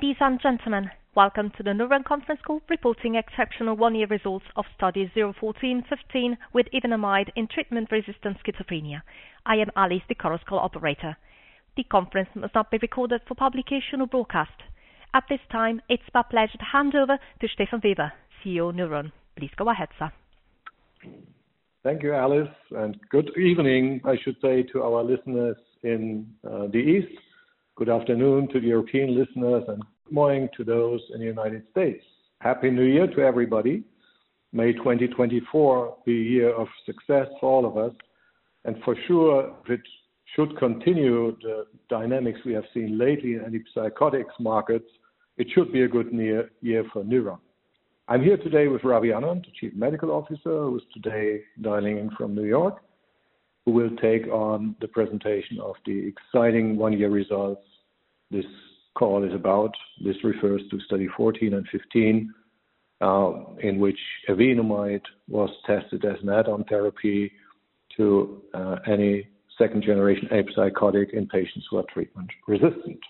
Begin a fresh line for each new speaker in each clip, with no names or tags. Ladies and gentlemen, welcome to the Newron Conference Call, reporting exceptional one-year results of Study 014, 015 with evenamide in treatment-resistant schizophrenia. I am Alice, the conference call operator. The conference must not be recorded for publication or broadcast. At this time, it's my pleasure to hand over to Stefan Weber, CEO of Newron. Please go ahead, sir.
Thank you, Alice. Good evening, I should say, to our listeners in the East. Good afternoon to the European listeners. Good morning to those in the United States. Happy New Year to everybody. For sure, if it should continue the dynamics we have seen lately in antipsychotics markets, it should be a good year for Newron. I'm here today with Ravi Anand, the Chief Medical Officer, who is today dialing in from New York, who will take on the presentation of the exciting one-year results this call is about. This refers to Study 014 and 015, in which evenamide was tested as an add-on therapy to any second-generation antipsychotic in patients who are treatment-resistant.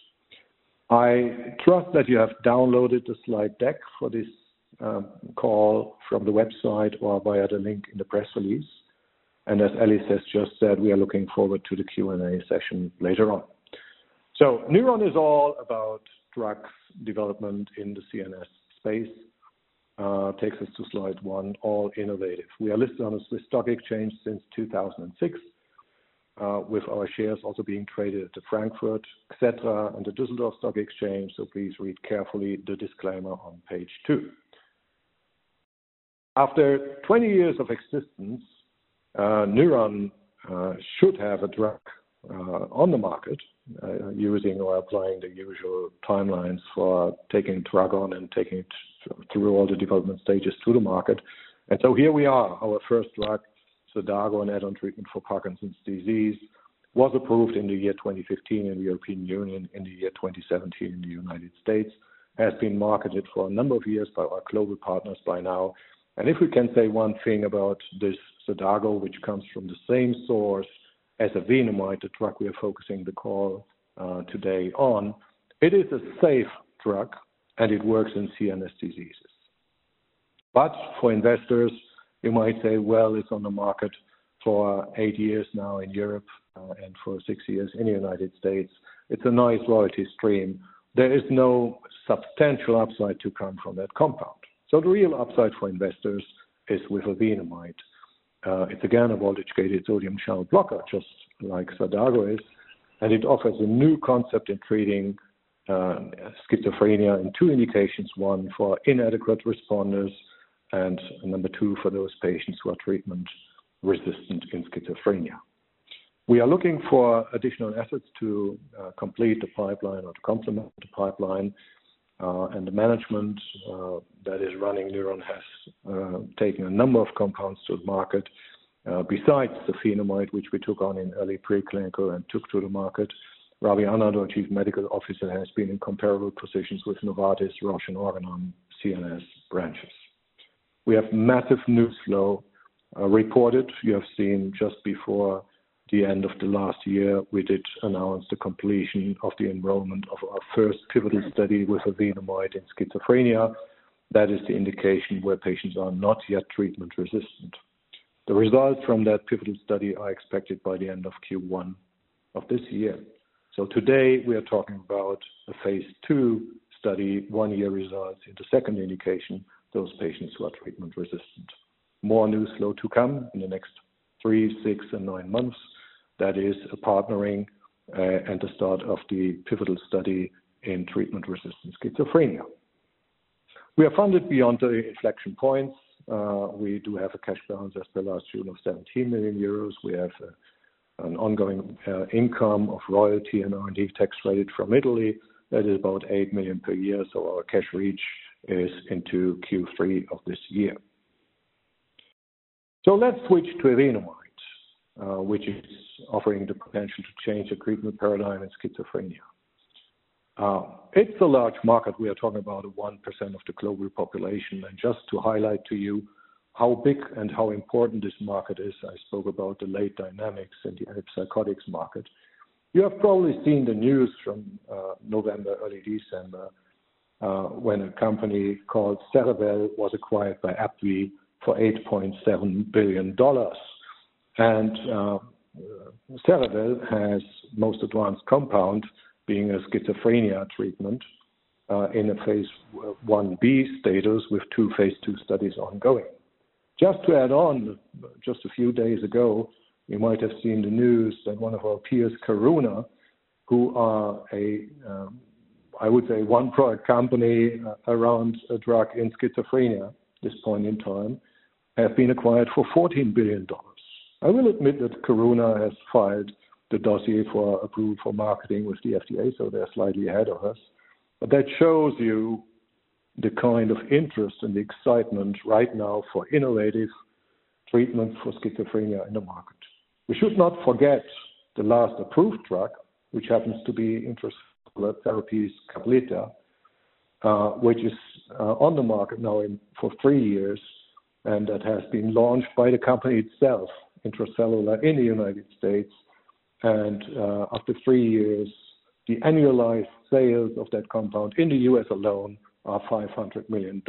I trust that you have downloaded the slide deck for this call from the website or via the link in the press release. As Alice has just said, we are looking forward to the Q&A session later on. Newron is all about drugs development in the CNS space. Takes us to slide one, all innovative. We are listed on the Swiss Stock Exchange since 2006, with our shares also being traded at the Frankfurt, et cetera, and the Düsseldorf Stock Exchange. Please read carefully the disclaimer on page two. After 20 years of existence, Newron should have a drug on the market using or applying the usual timelines for taking a drug on and taking it through all the development stages to the market. Here we are, our first drug, Xadago, an add-on treatment for Parkinson's disease was approved in the year 2015 in the European Union, in the year 2017 in the United States, has been marketed for a number of years by our global partners by now. If we can say one thing about this Xadago, which comes from the same source as evenamide, the drug we are focusing the call today on, it is a safe drug and it works in CNS diseases. For investors, you might say, well, it's on the market for 8 years now in Europe and for six years in the United States. It's a nice royalty stream. There is no substantial upside to come from that compound. The real upside for investors is with evenamide. It's again, a voltage-gated sodium channel blocker, just like Xadago is, it offers a new concept in treating schizophrenia in two indications, one, for inadequate responders, and number two, for those patients who are treatment-resistant in schizophrenia. We are looking for additional efforts to complete the pipeline or to complement the pipeline. The management that is running Newron has taken a number of compounds to the market besides evenamide, which we took on in early preclinical and took to the market. Ravi Anand, our Chief Medical Officer, has been in comparable positions with Novartis, Roche, and Organon CNS branches. We have massive news flow reported. You have seen just before the end of the last year, we did announce the completion of the enrollment of our first pivotal study with evenamide in schizophrenia. That is the indication where patients are not yet treatment-resistant. The results from that pivotal study are expected by the end of Q1 of this year. Today, we are talking about the phase II study, one-year results in the second indication, those patients who are treatment-resistant. More news flow to come in the next three, six, and nine months. That is a partnering, and the start of the pivotal study in treatment-resistant schizophrenia. We are funded beyond the inflection points. We do have a cash balance as the last June of 17 million euros. We have an ongoing income of royalty and R&D tax credit from Italy that is about 8 million per year, so our cash reach is into Q3 of this year. Let's switch to evenamide, which is offering the potential to change the treatment paradigm in schizophrenia. It's a large market. We are talking about 1% of the global population. Just to highlight to you how big and how important this market is, I spoke about the late dynamics in the antipsychotics market. You have probably seen the news from November, early December, when a company called Cerevel was acquired by AbbVie for $8.7 billion. Cerevel has most advanced compound being a schizophrenia treatment, in a phase I-B status with two phase II studies ongoing. Just to add on, just a few days ago, you might have seen the news that one of our peers, Karuna, who are a, I would say one-product company around a drug in schizophrenia this point in time, have been acquired for $14 billion. I will admit that Karuna has filed the dossier for approval for marketing with the FDA, so they're slightly ahead of us. That shows you the kind of interest and the excitement right now for innovative treatment for schizophrenia in the market. We should not forget the last approved drug, which happens to be Intra-Cellular Therapies's CAPLYTA, which is on the market now for three years, that has been launched by the company itself, Intra-Cellular Therapies, in the United States. And after three years, the annualized sales of that compound in the U.S. alone are $500 million,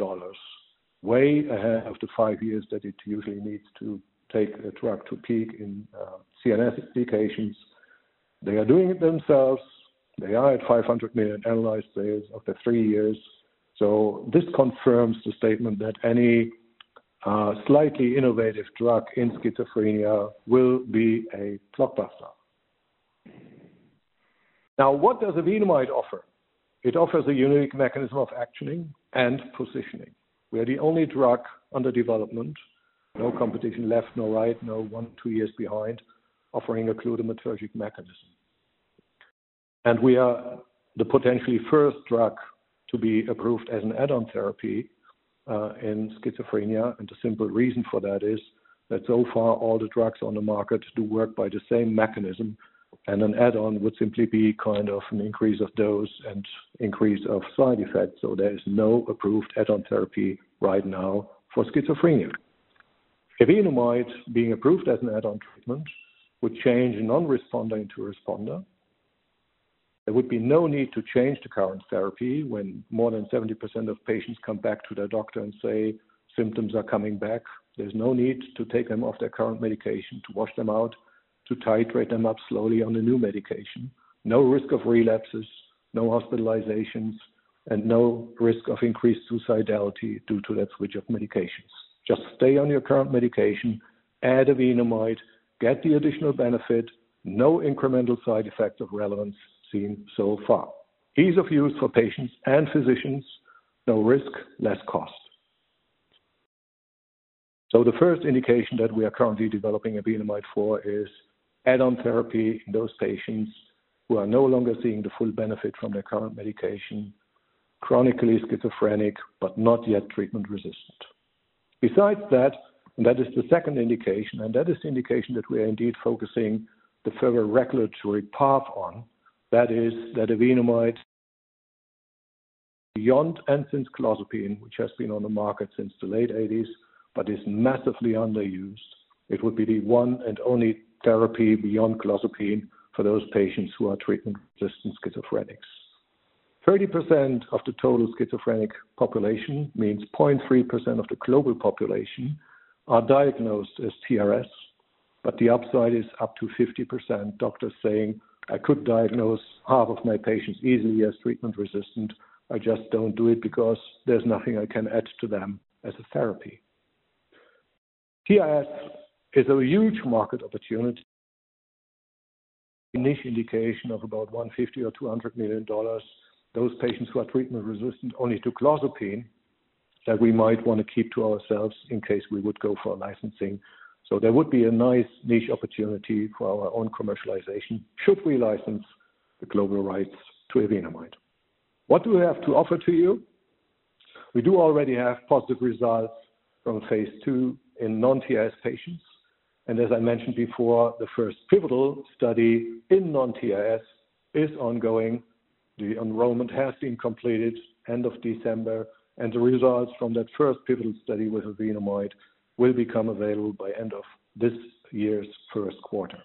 way ahead of the five years that it usually needs to take a drug to peak in CNS indications. They are doing it themselves. They are at $500 million annualized sales after three years. This confirms the statement that any slightly innovative drug in schizophrenia will be a blockbuster. Now, what does evenamide offer? It offers a unique mechanism of actioning and positioning. We are the only drug under development, no competition left, no right, no one, 2 years behind, offering a glutamatergic mechanism. We are the potentially first drug to be approved as an add-on therapy in schizophrenia. The simple reason for that is that so far all the drugs on the market do work by the same mechanism, an add-on would simply be kind of an increase of dose and increase of side effects. There is no approved add-on therapy right now for schizophrenia. evenamide being approved as an add-on treatment would change non-responder into responder. There would be no need to change the current therapy when more than 70% of patients come back to their doctor and say symptoms are coming back. There's no need to take them off their current medication to wash them out, to titrate them up slowly on the new medication. No risk of relapses, no hospitalizations, no risk of increased suicidality due to that switch of medications. Just stay on your current medication, add evenamide, get the additional benefit. No incremental side effects of relevance seen so far. Ease of use for patients and physicians. No risk, less cost. The first indication that we are currently developing evenamide for is add-on therapy in those patients who are no longer seeing the full benefit from their current medication, chronically schizophrenic, but not yet treatment resistant. Besides that is the second indication, that is the indication that we are indeed focusing the further regulatory path on. That is that evenamide beyond [inaudible] clozapine, which has been on the market since the late 1980s but is massively underused. It would be the one and only therapy beyond clozapine for those patients who are treatment-resistant schizophrenics. 30% of the total schizophrenic population means 0.3% of the global population are diagnosed as TRS. The upside is up to 50% doctors saying, "I could diagnose half of my patients easily as treatment resistant." I just don't do it because there's nothing I can add to them as a therapy. TRS is a huge market opportunity. Niche indication of about 150 million or EUR 200 million. Those patients who are treatment resistant only to clozapine, that we might want to keep to ourselves in case we would go for licensing. There would be a nice niche opportunity for our own commercialization should we license the global rights to evenamide. What do we have to offer to you? We do already have positive results from phase II in non-TRS patients. As I mentioned before, the first pivotal study in non-TRS is ongoing. The enrollment has been completed end of December, the results from that first pivotal study with evenamide will become available by end of this year's first quarter.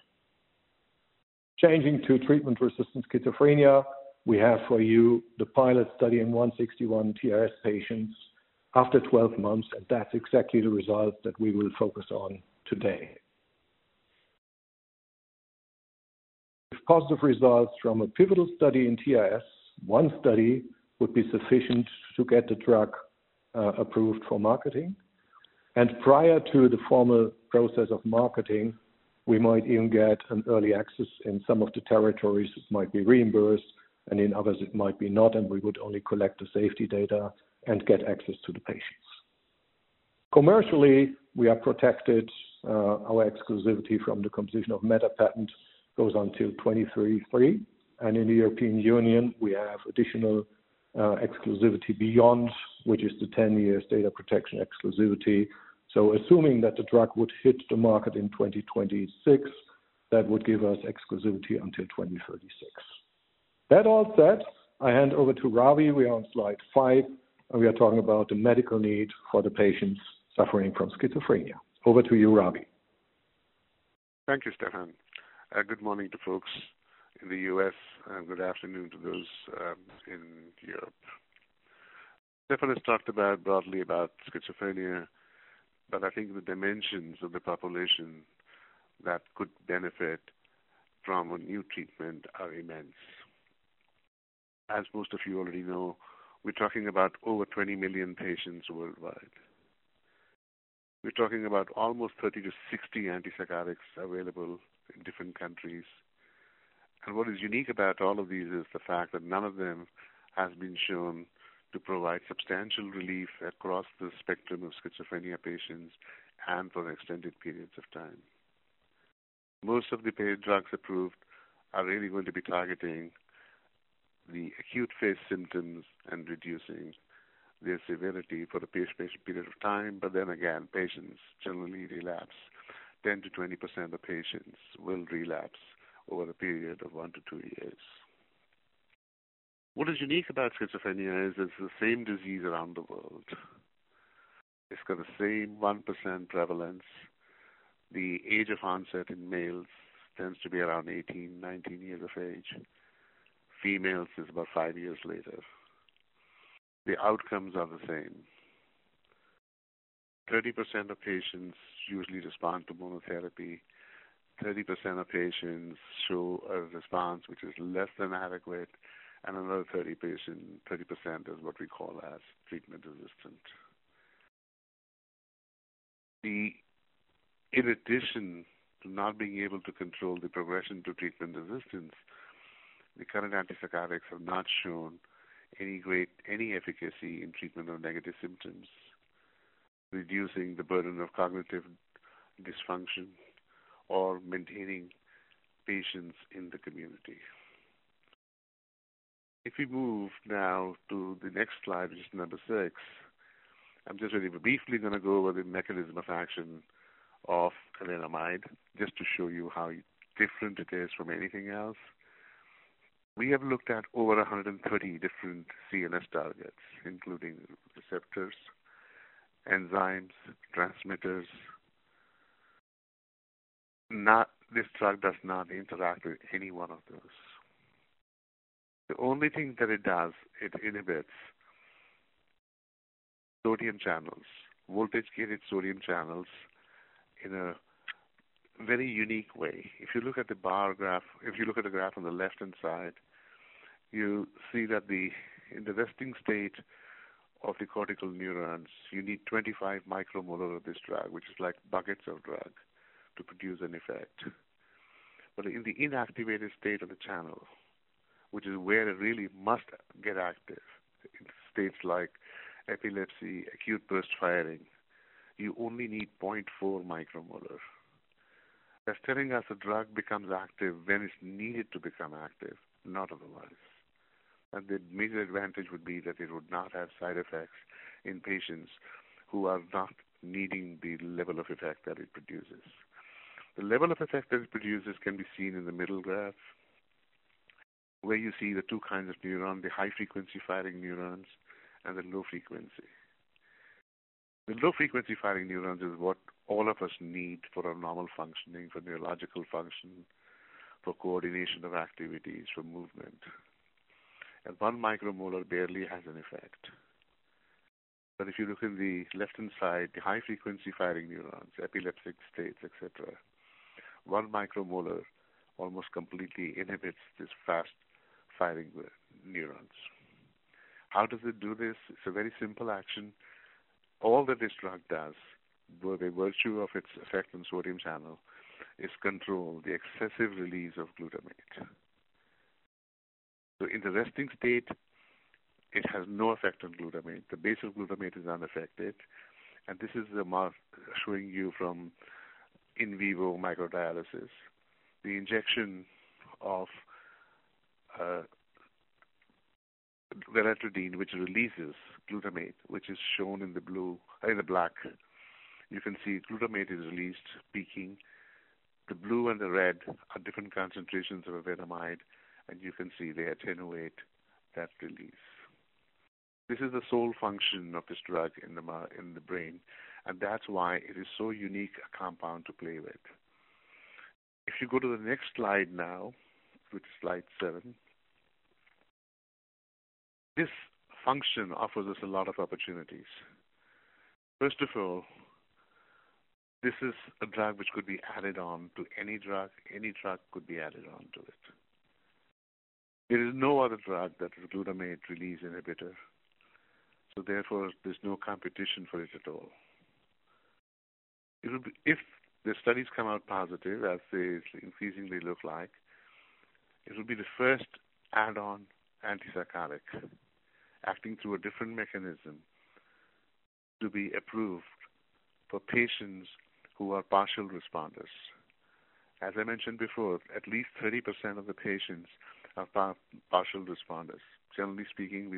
Changing to treatment-resistant schizophrenia, we have for you the pilot study in 161 TRS patients after 12 months, that's exactly the result that we will focus on today. With positive results from a pivotal study in TRS, one study would be sufficient to get the drug approved for marketing. Prior to the formal process of marketing, we might even get an early access in some of the territories. It might be reimbursed, in others it might be not, we would only collect the safety data and get access to the patients. Commercially, we are protected. Our exclusivity from the composition of matter patent goes on till 2033. In the European Union, we have additional exclusivity beyond, which is the 10 years data protection exclusivity. Assuming that the drug would hit the market in 2026, that would give us exclusivity until 2036. That all said, I hand over to Ravi. We are on slide five, and we are talking about the medical need for the patients suffering from schizophrenia. Over to you, Ravi.
Thank you, Stefan. Good morning to folks in the U.S., good afternoon to those in Europe. Stefan has talked about broadly about schizophrenia, I think the dimensions of the population that could benefit from a new treatment are immense. As most of you already know, we're talking about over 20 million patients worldwide. We're talking about almost 30 to 60 antipsychotics available in different countries. What is unique about all of these is the fact that none of them has been shown to provide substantial relief across the spectrum of schizophrenia patients and for extended periods of time. Most of the paid drugs approved are really going to be targeting the acute phase symptoms and reducing their severity for the patient for a period of time. Again, patients generally relapse. 10%-20% of patients will relapse over a period of one to two years. What is unique about schizophrenia is it's the same disease around the world. It's got the same 1% prevalence. The age of onset in males tends to be around 18, 19 years of age. Females is about five years later. The outcomes are the same. 30% of patients usually respond to monotherapy. 30% of patients show a response which is less than adequate, and another 30% is what we call as treatment-resistant. In addition to not being able to control the progression to treatment resistance, the current antipsychotics have not shown any efficacy in treatment of negative symptoms, reducing the burden of cognitive dysfunction or maintaining patients in the community. If we move now to the next slide, which is number six, I'm just really briefly going to go over the mechanism of action of evenamide just to show you how different it is from anything else. We have looked at over 130 different CNS targets, including receptors, enzymes, transmitters. This drug does not interact with any one of those. The only thing that it does, it inhibits sodium channels, voltage-gated sodium channels, in a very unique way. If you look at the graph on the left-hand side, you see that in the resting state of the cortical neurons, you need 25 micromolar of this drug, which is like buckets of drug, to produce an effect. In the inactivated state of the channel, which is where it really must get active, in states like epilepsy, acute burst firing, you only need 0.4 micromolar. That's telling us the drug becomes active when it's needed to become active, not otherwise. The major advantage would be that it would not have side effects in patients who are not needing the level of effect that it produces. The level of effect that it produces can be seen in the middle graph, where you see the two kinds of neuron, the high frequency firing neurons and the low frequency. The low frequency firing neurons is what all of us need for our normal functioning, for neurological function, for coordination of activities, for movement, and one micromolar barely has an effect. If you look in the left-hand side, the high frequency firing neurons, epileptic states, et cetera, one micromolar almost completely inhibits this fast-firing neurons. How does it do this? It's a very simple action. All that this drug does, by the virtue of its effect on sodium channel, is control the excessive release of glutamate. In the resting state, it has no effect on glutamate. The base of glutamate is unaffected, this is the mark showing you from in vivo microdialysis. The injection of veratridine, which releases glutamate, which is shown in the black. You can see glutamate is released, peaking. The blue and the red are different concentrations of evenamide, they attenuate that release. This is the sole function of this drug in the brain, that's why it is so unique a compound to play with. If you go to the next slide now, which is slide seven. This function offers us a lot of opportunities. First of all, this is a drug which could be added on to any drug. Any drug could be added on to it. There is no other drug that's a glutamate release inhibitor, therefore, there's no competition for it at all. If the studies come out positive, as they increasingly look like, it will be the first add-on antipsychotic, acting through a different mechanism, to be approved for patients who are partial responders. As I mentioned before, at least 30% of the patients are partial responders. Generally speaking,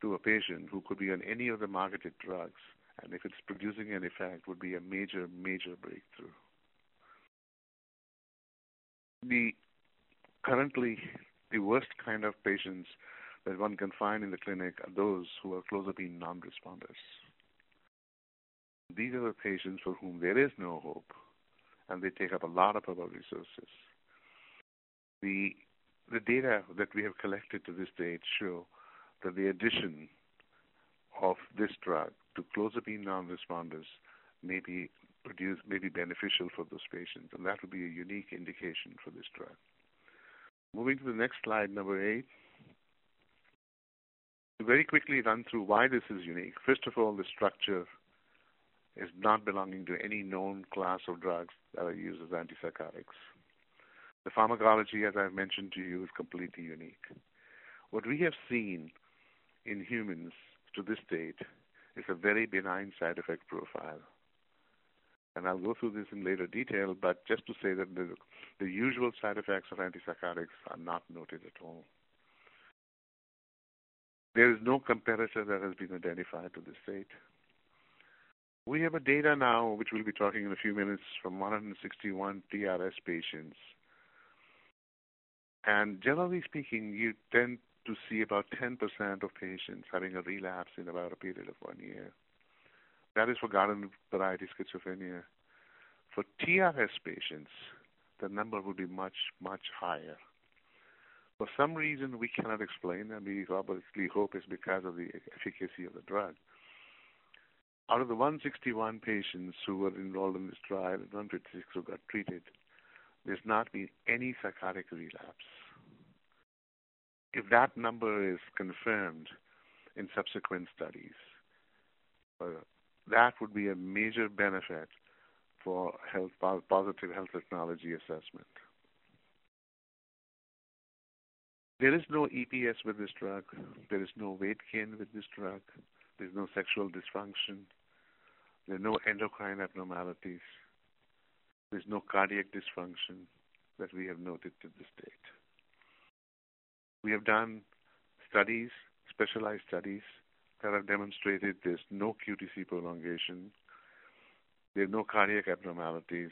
Currently, the worst kind of patients that one can find in the clinic are those who are clozapine non-responders. These are the patients for whom there is no hope, they take up a lot of our resources. The data that we have collected to this date show that the addition of this drug to clozapine non-responders may be beneficial for those patients, that will be a unique indication for this drug. Moving to the next slide, number 8. To very quickly run through why this is unique, first of all, the structure does not belong to any known class of drugs that are used as antipsychotics. The pharmacology, as I mentioned to you, is completely unique. What we have seen in humans to this date is a very benign side effect profile, I'll go through this in later detail, just to say that the usual side effects of antipsychotics are not noted at all. There is no competitor that has been identified to this date. We have data now, which we'll be talking about in a few minutes, from 161 TRS patients. Generally speaking, you tend to see about 10% of patients having a relapse in about a period of one year. That is for garden-variety schizophrenia. For TRS patients, the number will be much, much higher. For some reason, we cannot explain, we obviously hope it's because of the efficacy of the drug. Out of the 161 patients who were enrolled in this trial, the 156 who got treated, there's not been any psychotic relapse. If that number is confirmed in subsequent studies, that would be a major benefit for positive health technology assessment. There is no EPS with this drug. There is no weight gain with this drug. There's no sexual dysfunction. There are no endocrine abnormalities. There's no cardiac dysfunction that we have noted to this date. We have done studies, specialized studies, that have demonstrated there's no QTc prolongation. There are no cardiac abnormalities.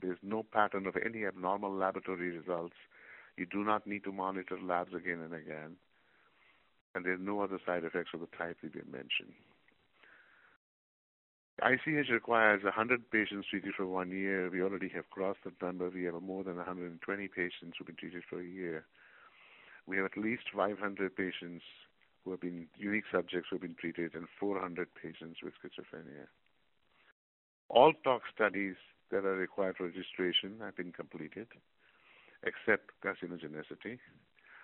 There's no pattern of any abnormal laboratory results. You do not need to monitor labs again and again. There are no other side effects of the type we did mention. ICH requires 100 patients treated for one year. We already have crossed that number. We have more than 120 patients who've been treated for a year. We have at least 500 patients who have been unique subjects who have been treated, and 400 patients with schizophrenia. All tox studies that are required for registration have been completed except carcinogenicity,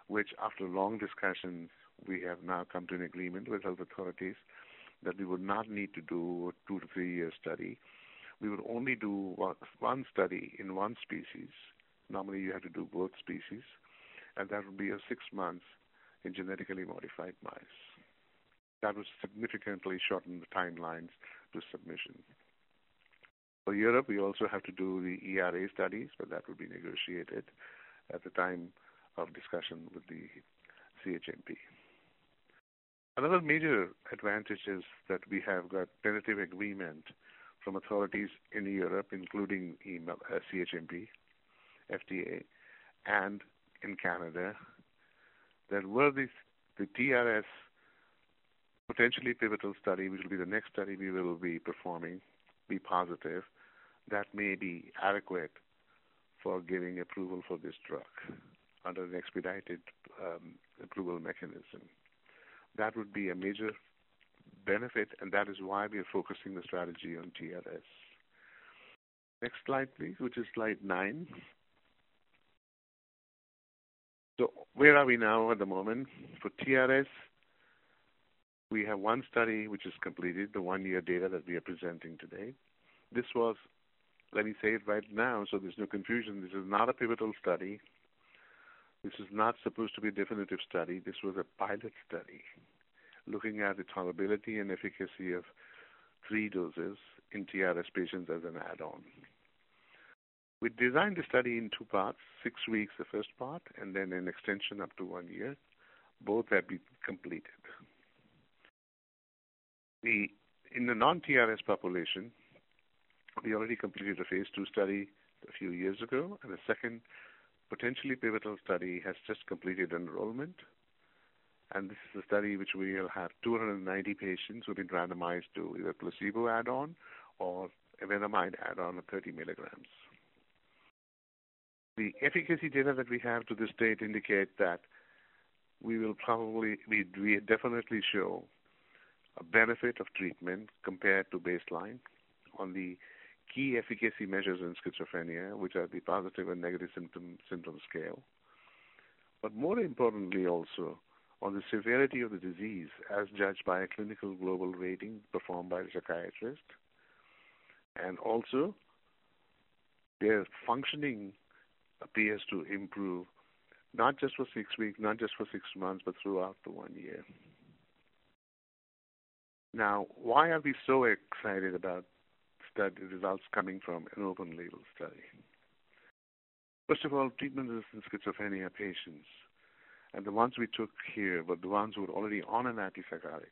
which after long discussions, we have now come to an agreement with health authorities that we would not need to do a two to three-year study. We would only do one study in one species. Normally, you have to do both species, and that would be six months in genetically modified mice. That will significantly shorten the timelines to submission. For Europe, we also have to do the ERA studies, that will be negotiated at the time of discussion with the CHMP. Another major advantage is that we have got tentative agreement from authorities in Europe, including CHMP, FDA, and in Canada, that were this, the TRS potentially pivotal study, which will be the next study we will be performing, be positive, that may be adequate for getting approval for this drug under an expedited approval mechanism. That would be a major benefit, that is why we are focusing the strategy on TRS. Next slide, please, which is slide nine. Where are we now at the moment? For TRS, we have one study which is completed, the one-year data that we are presenting today. This was, let me say it right now, so there's no confusion, this is not a pivotal study. This is not supposed to be a definitive study. This was a pilot study looking at the tolerability and efficacy of three doses in TRS patients as an add-on. We designed the study in two parts, six weeks, the first part, then an extension up to one year. Both have been completed. In the non-TRS population, we already completed a phase II study a few years ago, and the second potentially pivotal study has just completed enrollment. This is a study which we will have 290 patients who've been randomized to either a placebo add-on or evenamide add-on of 30 milligrams. The efficacy data that we have to this date indicate that we will definitely show a benefit of treatment compared to baseline on the key efficacy measures in schizophrenia, which are the Positive and Negative Syndrome Scale. More importantly also, on the severity of the disease as judged by a clinical global rating performed by the psychiatrist, and also their functioning appears to improve, not just for six weeks, not just for six months, but throughout the one year. Why are we so excited about study results coming from an open-label study? Treatment in schizophrenia patients and the ones we took here were the ones who were already on an antipsychotic,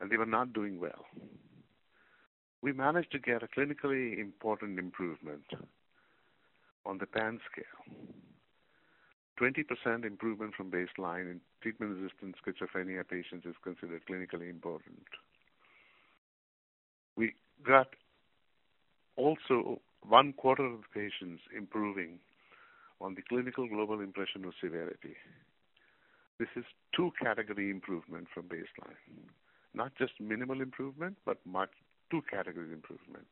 and they were not doing well. We managed to get a clinically important improvement on the PANSS scale. 20% improvement from baseline in treatment-resistant schizophrenia patients is considered clinically important. We got also one-quarter of the patients improving on the Clinical Global Impression of Severity. This is 2 category improvement from baseline, not just minimal improvement, but 2 category improvement.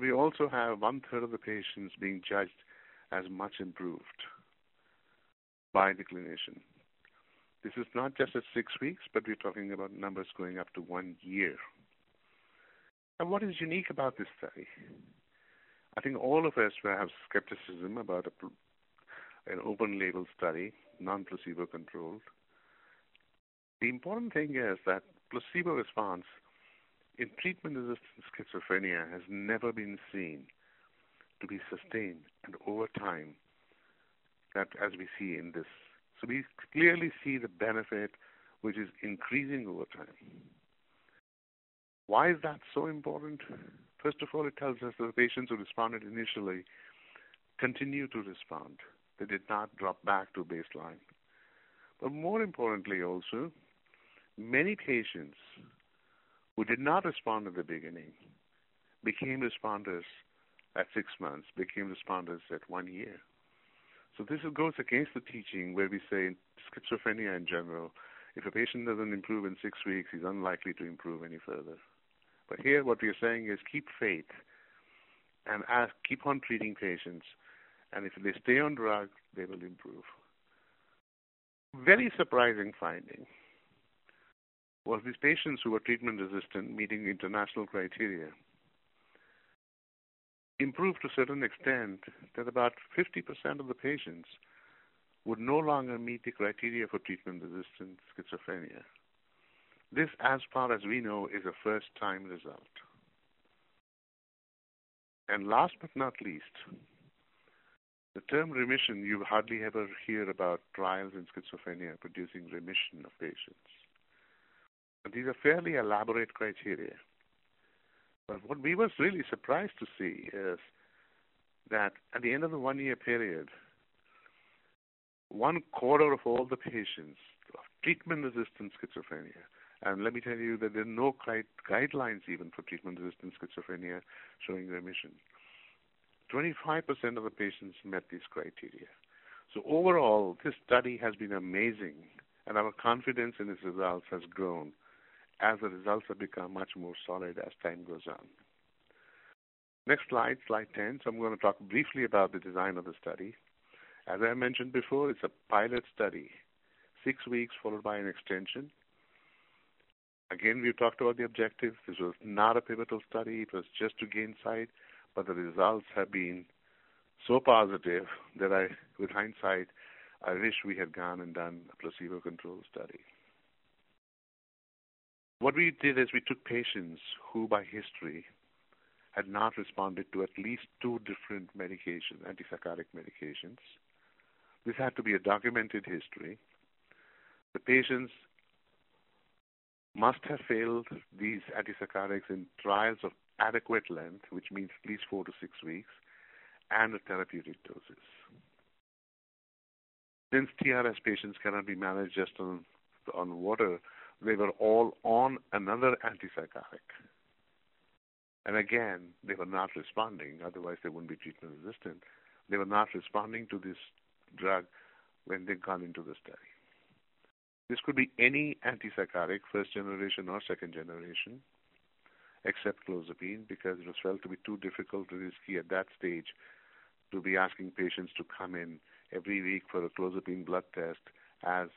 We also have one-third of the patients being judged as much improved by the clinician. This is not just at six weeks, but we're talking about numbers going up to one year. What is unique about this study? I think all of us may have skepticism about an open-label study, non-placebo controlled. The important thing is that placebo response in treatment-resistant schizophrenia has never been seen to be sustained and over time, that as we see in this. We clearly see the benefit, which is increasing over time. Why is that so important? It tells us that patients who responded initially continue to respond. They did not drop back to baseline. More importantly also, many patients who did not respond at the beginning became responders at six months, became responders at one year. This goes against the teaching where we say in schizophrenia in general, if a patient doesn't improve in six weeks, he's unlikely to improve any further. Here what we're saying is keep faith and keep on treating patients, and if they stay on drug, they will improve. Very surprising finding was these patients who were treatment-resistant, meeting international criteria, improved to a certain extent that about 50% of the patients would no longer meet the criteria for treatment-resistant schizophrenia. This, as far as we know, is a first-time result. Last but not least, the term remission, you hardly ever hear about trials in schizophrenia producing remission of patients. These are fairly elaborate criteria. What we was really surprised to see is that at the end of the one-year period, one-quarter of all the patients of treatment-resistant schizophrenia, and let me tell you that there are no guidelines even for treatment-resistant schizophrenia showing remission. 25% of the patients met these criteria. Overall, this study has been amazing, and our confidence in its results has grown as the results have become much more solid as time goes on. Next slide 10. I'm going to talk briefly about the design of the study. As I mentioned before, it's a pilot study, six weeks followed by an extension. Again, we talked about the objective. This was not a pivotal study. It was just to gain sight, but the results have been so positive that with hindsight, I wish we had gone and done a placebo-controlled study. What we did is we took patients who by history had not responded to at least two different medications, antipsychotic medications. This had to be a documented history. The patients must have failed these antipsychotics in trials of adequate length, which means at least four to six weeks, and a therapeutic dosage. Since TRS patients cannot be managed just on water, they were all on another antipsychotic. Again, they were not responding, otherwise they wouldn't be treatment-resistant. They were not responding to this drug when they'd come into the study. This could be any antipsychotic, first generation or second generation, except clozapine, because it was felt to be too difficult or risky at that stage to be asking patients to come in every week for a clozapine blood test, as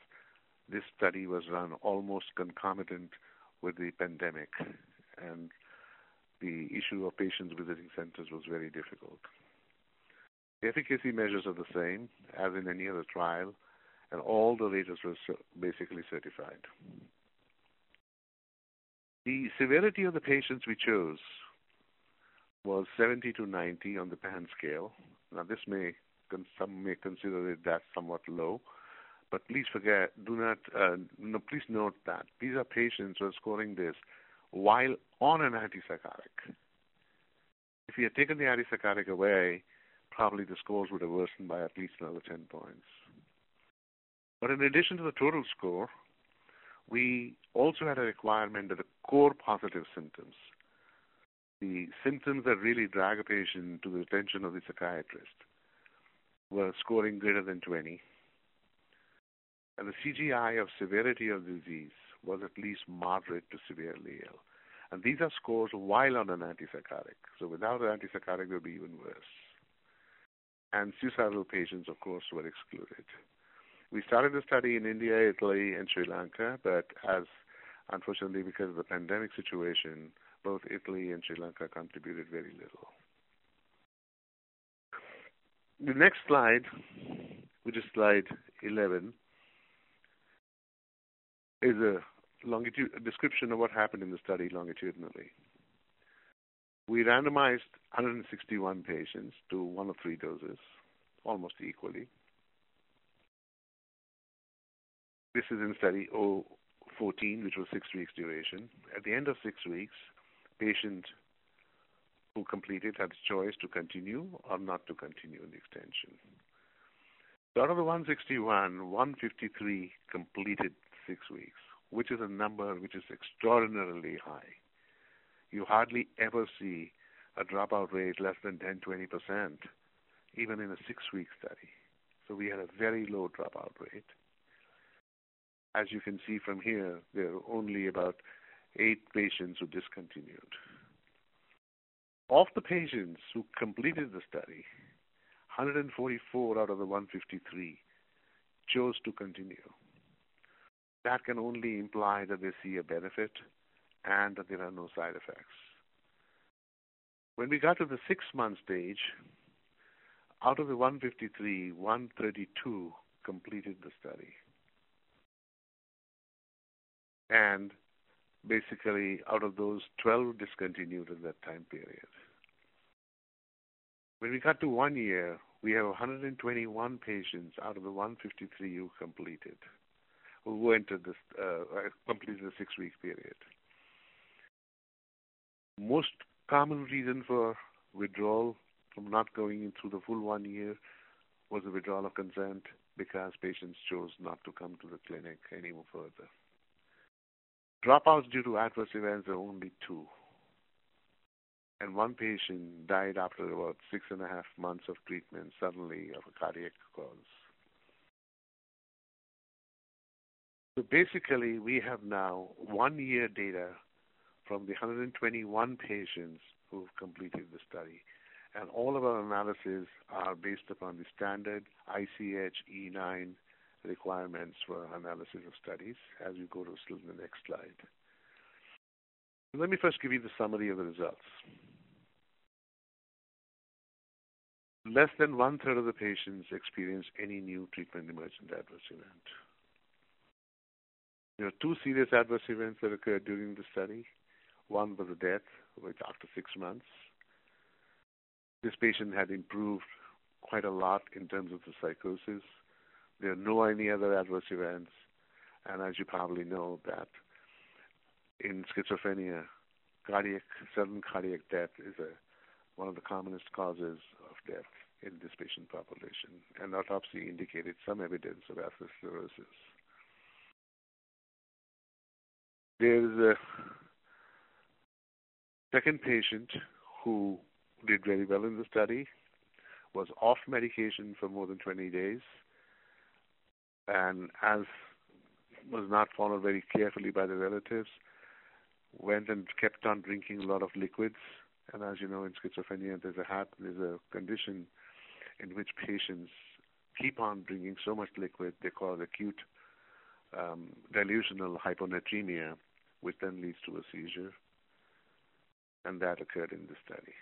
this study was run almost concomitant with the pandemic, and the issue of patients visiting centers was very difficult. The efficacy measures are the same as in any other trial, and all the readers were basically certified. The severity of the patients we chose was 70 to 90 on the PANSS scale. Some may consider that somewhat low, but please note that these are patients who are scoring this while on an antipsychotic. If you had taken the antipsychotic away, probably the scores would have worsened by at least another 10 points. In addition to the total score, we also had a requirement that the core positive symptoms, the symptoms that really drag a patient to the attention of the psychiatrist, were scoring greater than 20. The CGI of severity of disease was at least moderate to severe level. These are scores while on an antipsychotic, without an antipsychotic, it would be even worse. Suicidal patients, of course, were excluded. We started the study in India, Italy, and Sri Lanka, but as unfortunately because of the pandemic situation, both Italy and Sri Lanka contributed very little. The next slide, which is slide 11, is a description of what happened in the study longitudinally. We randomized 161 patients to one of three doses, almost equally. This is in Study 014, which was six weeks duration. At the end of six weeks, patient who completed had the choice to continue or not to continue the extension. Out of the 161, 153 completed six weeks, which is a number which is extraordinarily high. You hardly ever see a dropout rate less than 10%, 20%, even in a six-week study. We had a very low dropout rate. As you can see from here, there are only about eight patients who discontinued. Of the patients who completed the study, 144 out of the 153 chose to continue. That can only imply that they see a benefit and that there are no side effects. When we got to the six-month stage, out of the 153, 132 completed the study. Basically, out of those, 12 discontinued in that time period. When we got to one year, we have 121 patients out of the 153 who completed the six-week period. Most common reason for withdrawal from not going into the full one year was a withdrawal of consent because patients chose not to come to the clinic any further. Dropouts due to adverse events are only two, and one patient died after about six and a half months of treatment suddenly of a cardiac cause. We have now one-year data from the 121 patients who've completed the study, and all of our analysis are based upon the standard ICH E9 requirements for analysis of studies as we go to the next slide. Let me first give you the summary of the results. Less than one-third of the patients experienced any new treatment-emergent adverse event. There are two serious adverse events that occurred during the study. One was a death, which after six months. This patient had improved quite a lot in terms of the psychosis. There are no any other adverse events, and as you probably know that in schizophrenia, sudden cardiac death is one of the commonest causes of death in this patient population. An autopsy indicated some evidence of atherosclerosis. There's a second patient who did very well in the study, was off medication for more than 20 days, and as was not followed very carefully by the relatives, went and kept on drinking a lot of liquids. As you know, in schizophrenia, there's a condition in which patients keep on drinking so much liquid, they call acute dilutional hyponatremia, which then leads to a seizure, and that occurred in the study.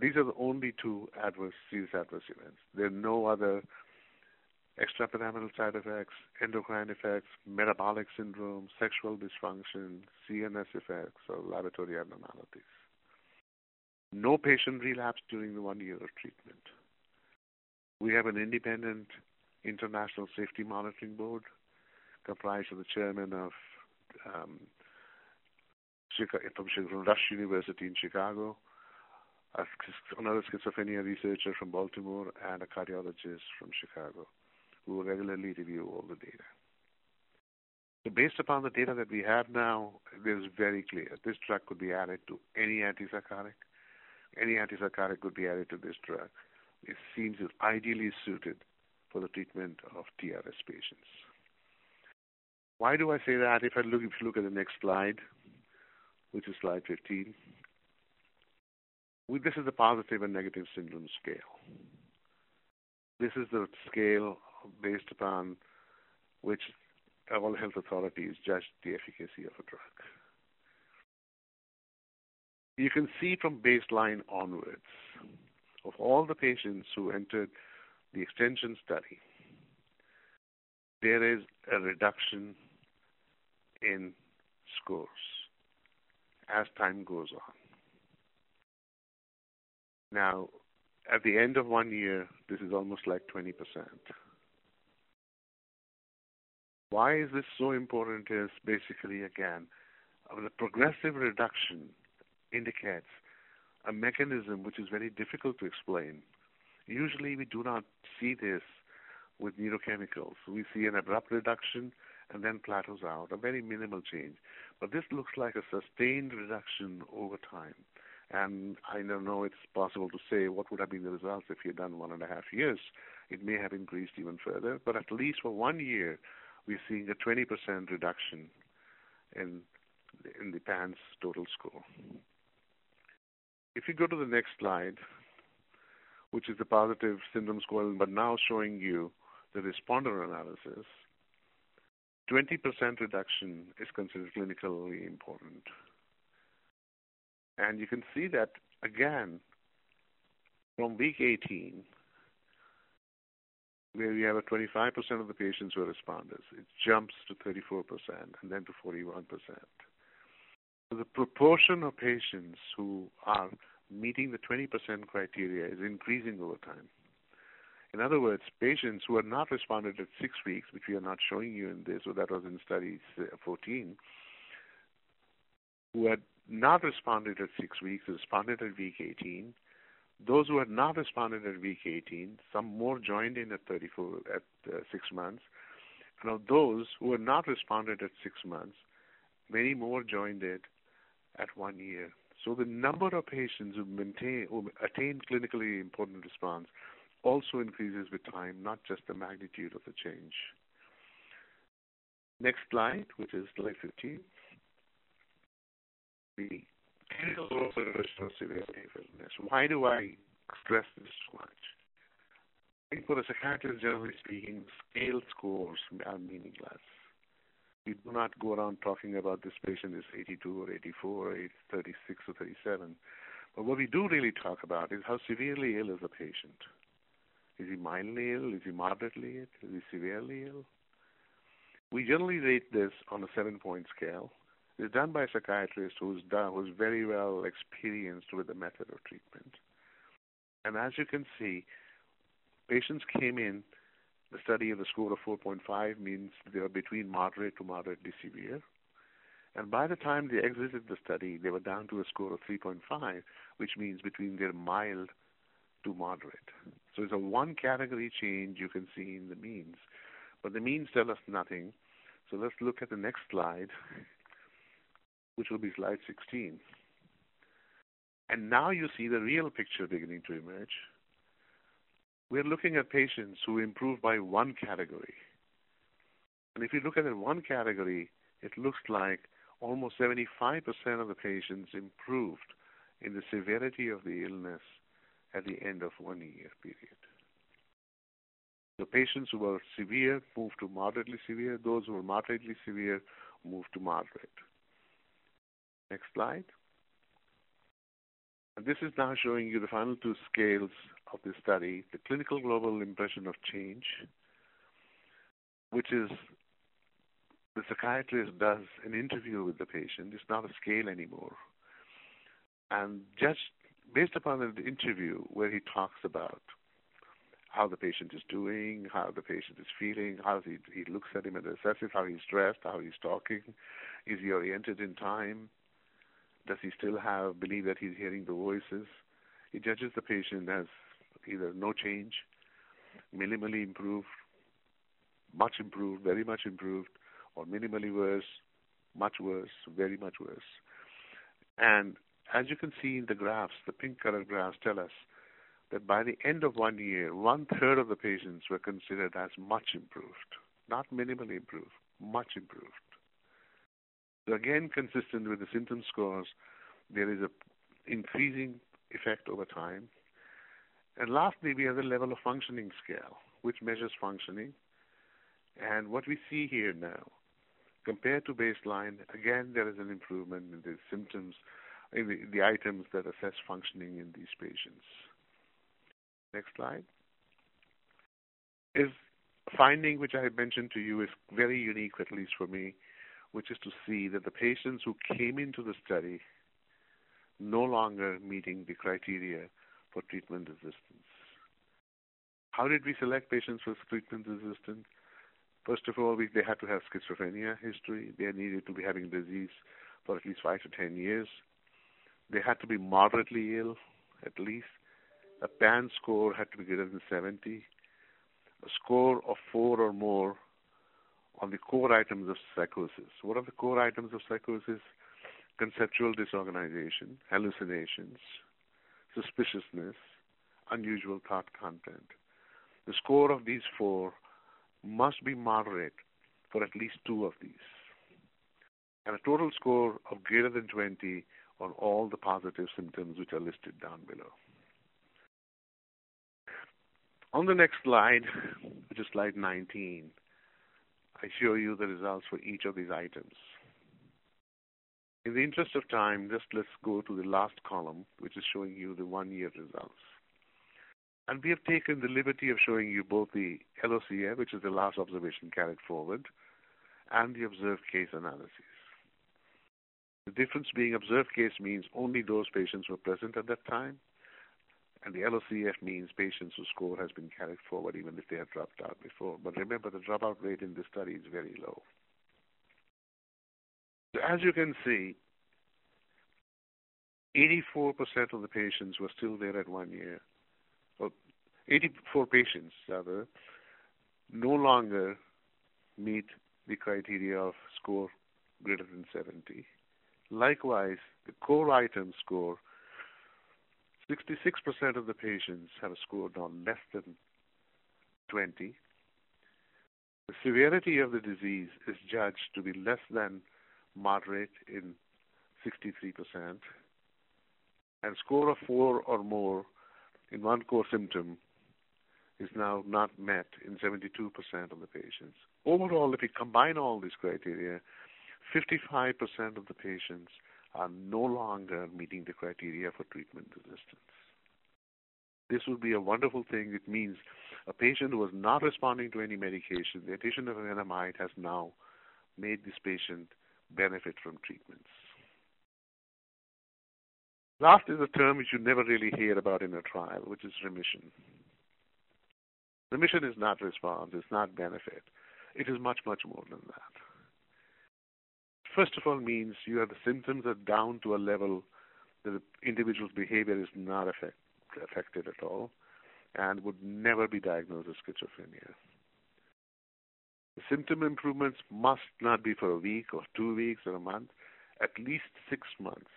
These are the only two serious adverse events. There are no other extrapyramidal side effects, endocrine effects, metabolic syndrome, sexual dysfunction, CNS effects, or laboratory abnormalities. No patient relapsed during the 1 year of treatment. We have an independent international safety monitoring board comprised of a chairman from Rush University in Chicago, another schizophrenia researcher from Baltimore, and a cardiologist from Chicago who regularly review all the data. Based upon the data that we have now, it is very clear this drug could be added to any antipsychotic. Any antipsychotic could be added to this drug. It seems it's ideally suited for the treatment of TRS patients. Why do I say that? If you look at the next slide, which is slide 15. This is a positive and negative symptom scale. This is the scale based upon which all health authorities judge the efficacy of a drug. You can see from baseline onwards, of all the patients who entered the extension study, there is a reduction in scores as time goes on. Now, at the end of 1 year, this is almost like 20%. Why is this so important is basically, again, the progressive reduction indicates a mechanism which is very difficult to explain. Usually, we do not see this with neurochemicals. We see an abrupt reduction and then plateaus out, a very minimal change. This looks like a sustained reduction over time. I don't know it's possible to say what would have been the results if you had done one and a half years. It may have increased even further. But at least for 1 year, we're seeing a 20% reduction in the PANSS total score. If you go to the next slide, which is the positive symptom score, but now showing you the responder analysis, 20% reduction is considered clinically important. You can see that again from week 18, where we have a 25% of the patients who are responders, it jumps to 34% and then to 41%. The proportion of patients who are meeting the 20% criteria is increasing over time. In other words, patients who had not responded at six weeks, which we are not showing you in this, that was in studies 14, who had not responded at six weeks, responded at week 18. Those who had not responded at week 18, some more joined in at six months. Those who had not responded at six months, many more joined it at one year. The number of patients who attained clinically important response also increases with time, not just the magnitude of the change. Next slide, which is slide 15. The clinical global impressions of severity of illness. Why do I stress this so much? I think for the psychiatrist, generally speaking, scale scores are meaningless. We do not go around talking about this patient is 82 or 84 or 36 or 37. What we do really talk about is how severely ill is the patient. Is he mildly ill? Is he moderately ill? Is he severely ill? We generally rate this on a seven-point scale. It's done by a psychiatrist who's very well experienced with the method of treatment. As you can see, patients came in the study of a score of 4.5 means they are between moderate to moderately severe. By the time they exited the study, they were down to a score of 3.5, which means between they're mild to moderate. It's a 1 category change you can see in the means, but the means tell us nothing. Let's look at the next slide, which will be slide 16. Now you see the real picture beginning to emerge. We're looking at patients who improved by 1 category. If you look at it in 1 category, it looks like almost 75% of the patients improved in the severity of the illness at the end of one-year period. The patients who were severe moved to moderately severe. Those who were moderately severe moved to moderate. Next slide. This is now showing you the final two scales of the study, the clinical global impression of change, which is the psychiatrist does an interview with the patient. It's not a scale anymore. Just based upon an interview where he talks about how the patient is doing, how the patient is feeling, how he looks at him and assesses how he's dressed, how he's talking. Is he oriented in time? Does he still have belief that he's hearing the voices? He judges the patient as either no change, minimally improved, much improved, very much improved, or minimally worse, much worse, very much worse. As you can see in the graphs, the pink color graphs tell us that by the end of one year, one-third of the patients were considered as much improved, not minimally improved, much improved. Again, consistent with the symptom scores, there is an increasing effect over time. Lastly, we have the level of functioning scale, which measures functioning. What we see here now, compared to baseline, again, there is an improvement in the symptoms in the items that assess functioning in these patients. Next slide. This finding, which I had mentioned to you, is very unique, at least for me, which is to see that the patients who came into the study no longer meeting the criteria for treatment resistance. How did we select patients with treatment resistance? First of all, they had to have schizophrenia history. They needed to be having disease for at least 5 to 10 years. They had to be moderately ill, at least. A PANSS score had to be greater than 70. A score of four or more on the core items of psychosis. What are the core items of psychosis? Conceptual disorganization, hallucinations, suspiciousness, unusual thought content. The score of these four must be moderate for at least two of these. A total score of greater than 20 on all the positive symptoms, which are listed down below. On the next slide, which is slide 19, I show you the results for each of these items. In the interest of time, just let's go to the last column, which is showing you the one-year results. We have taken the liberty of showing you both the LOCF, which is the last observation carried forward, and the observed case analysis. The difference being observed case means only those patients who were present at that time, and the LOCF means patients whose score has been carried forward, even if they have dropped out before. Remember, the dropout rate in this study is very low. As you can see, 84% of the patients were still there at one year. Well, 84 patients rather, no longer meet the criteria of score greater than 70. Likewise, the core item score, 66% of the patients have scored on less than 20. The severity of the disease is judged to be less than moderate in 63%, and score of four or more in one core symptom is now not met in 72% of the patients. Overall, if we combine all these criteria, 55% of the patients are no longer meeting the criteria for treatment resistance. This would be a wonderful thing. It means a patient who was not responding to any medication, the addition of an NMI has now made this patient benefit from treatments. Last is a term which you never really hear about in a trial, which is remission. Remission is not response, it's not benefit. It is much, much more than that. First of all, means you have the symptoms are down to a level that an individual's behavior is not affected at all and would never be diagnosed with schizophrenia. Symptom improvements must not be for a week or two weeks or a month, at least six months.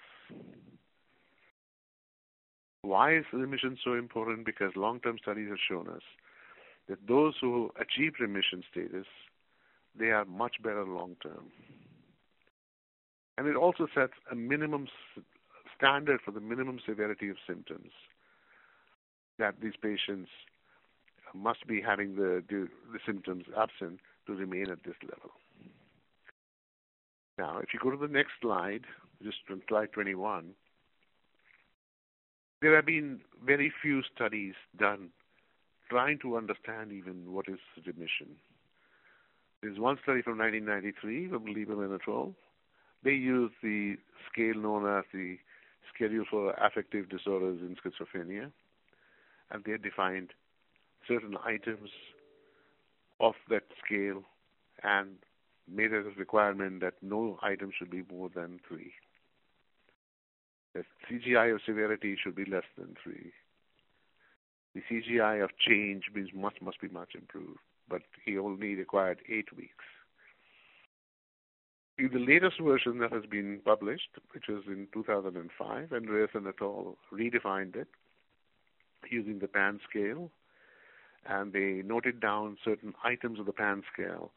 Why is remission so important? Long-term studies have shown us that those who achieve remission status, they are much better long term. It also sets a minimum standard for the minimum severity of symptoms that these patients must be having the symptoms absent to remain at this level. If you go to the next slide 21. There have been very few studies done trying to understand even what is remission. There's one study from 1993 from Jeffrey Lieberman et al. They used the scale known as the Schedule for Affective Disorders and Schizophrenia, and they defined certain items of that scale and made it a requirement that no item should be more than three. That CGI of severity should be less than three. The CGI of change means must be much improved, but he only required eight weeks. In the latest version that has been published, which is in 2005, Nancy Andreasen et al. redefined it using the PANSS scale. They noted down certain items of the PANSS scale,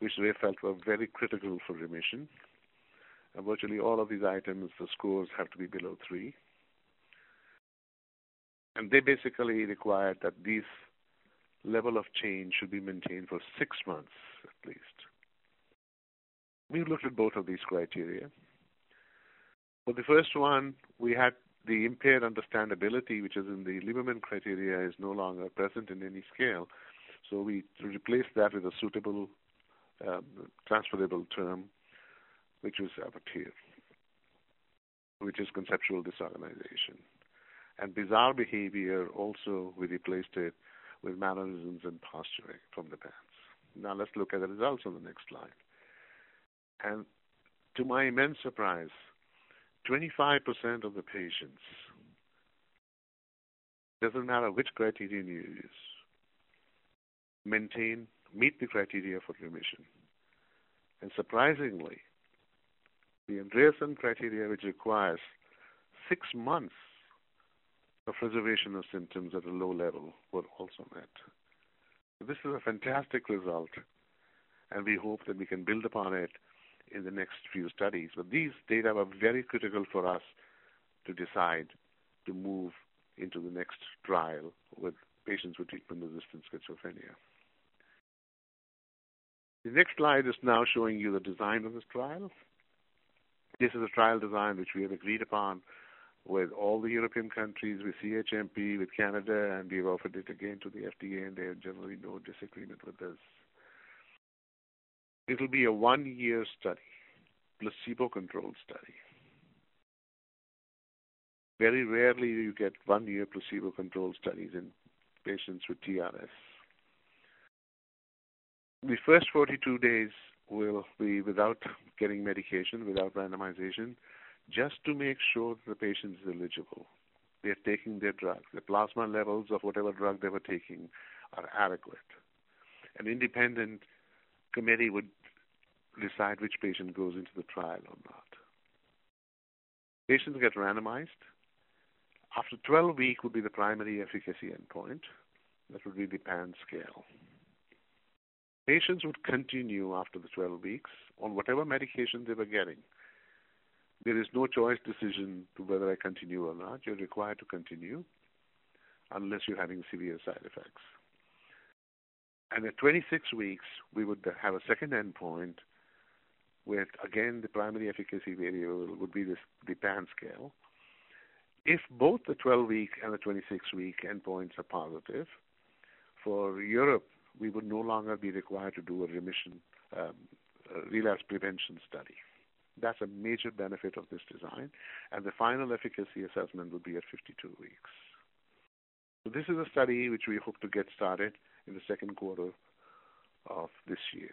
which they felt were very critical for remission. Virtually all of these items, the scores have to be below three. They basically required that this level of change should be maintained for six months, at least. We looked at both of these criteria. For the first one, we had the impaired understandability, which is in the Lieberman criteria, is no longer present in any scale, so we replaced that with a suitable transferable term, which is avolition, which is conceptual disorganization. Bizarre behavior also, we replaced it with mannerisms and posturing from the PANSS. Let's look at the results on the next slide. To my immense surprise, 25% of the patients, doesn't matter which criterion you use, meet the criteria for remission. Surprisingly, the Andreasen criteria, which requires six months of reservation of symptoms at a low level, were also met. This is a fantastic result. We hope that we can build upon it in the next few studies. These data were very critical for us to decide to move into the next trial with patients with treatment-resistant schizophrenia. The next slide is now showing you the design of this trial. This is a trial design which we have agreed upon with all the European countries, with CHMP, with Canada. We've offered it again to the FDA, and they have generally no disagreement with this. It'll be a one-year study, placebo-controlled study. Very rarely do you get one-year placebo-controlled studies in patients with TRS. The first 42 days will be without getting medication, without randomization, just to make sure the patient is eligible. They're taking their drug. The plasma levels of whatever drug they were taking are adequate. An independent committee would decide which patient goes into the trial or not. Patients get randomized. After 12 weeks would be the primary efficacy endpoint. That would be the PANSS scale. Patients would continue after the 12 weeks on whatever medication they were getting. There is no choice decision to whether I continue or not. You're required to continue unless you're having severe side effects. At 26 weeks, we would have a second endpoint with, again, the primary efficacy variable would be the PANSS scale. If both the 12-week and the 26-week endpoints are positive, for Europe, we would no longer be required to do a remission relapse prevention study. That's a major benefit of this design, and the final efficacy assessment would be at 52 weeks. This is a study which we hope to get started in the second quarter of this year.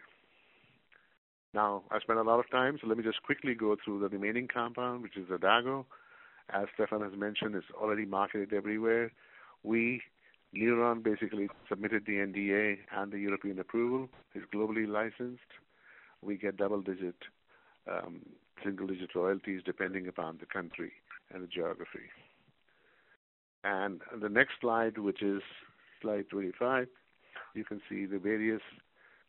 I spent a lot of time, let me just quickly go through the remaining compound, which is Xadago. As Stefan has mentioned, it's already marketed everywhere. We, Newron, basically submitted the NDA and the European approval. It's globally licensed. We get double-digit, single-digit royalties depending upon the country and the geography. The next slide, which is slide 25, you can see the various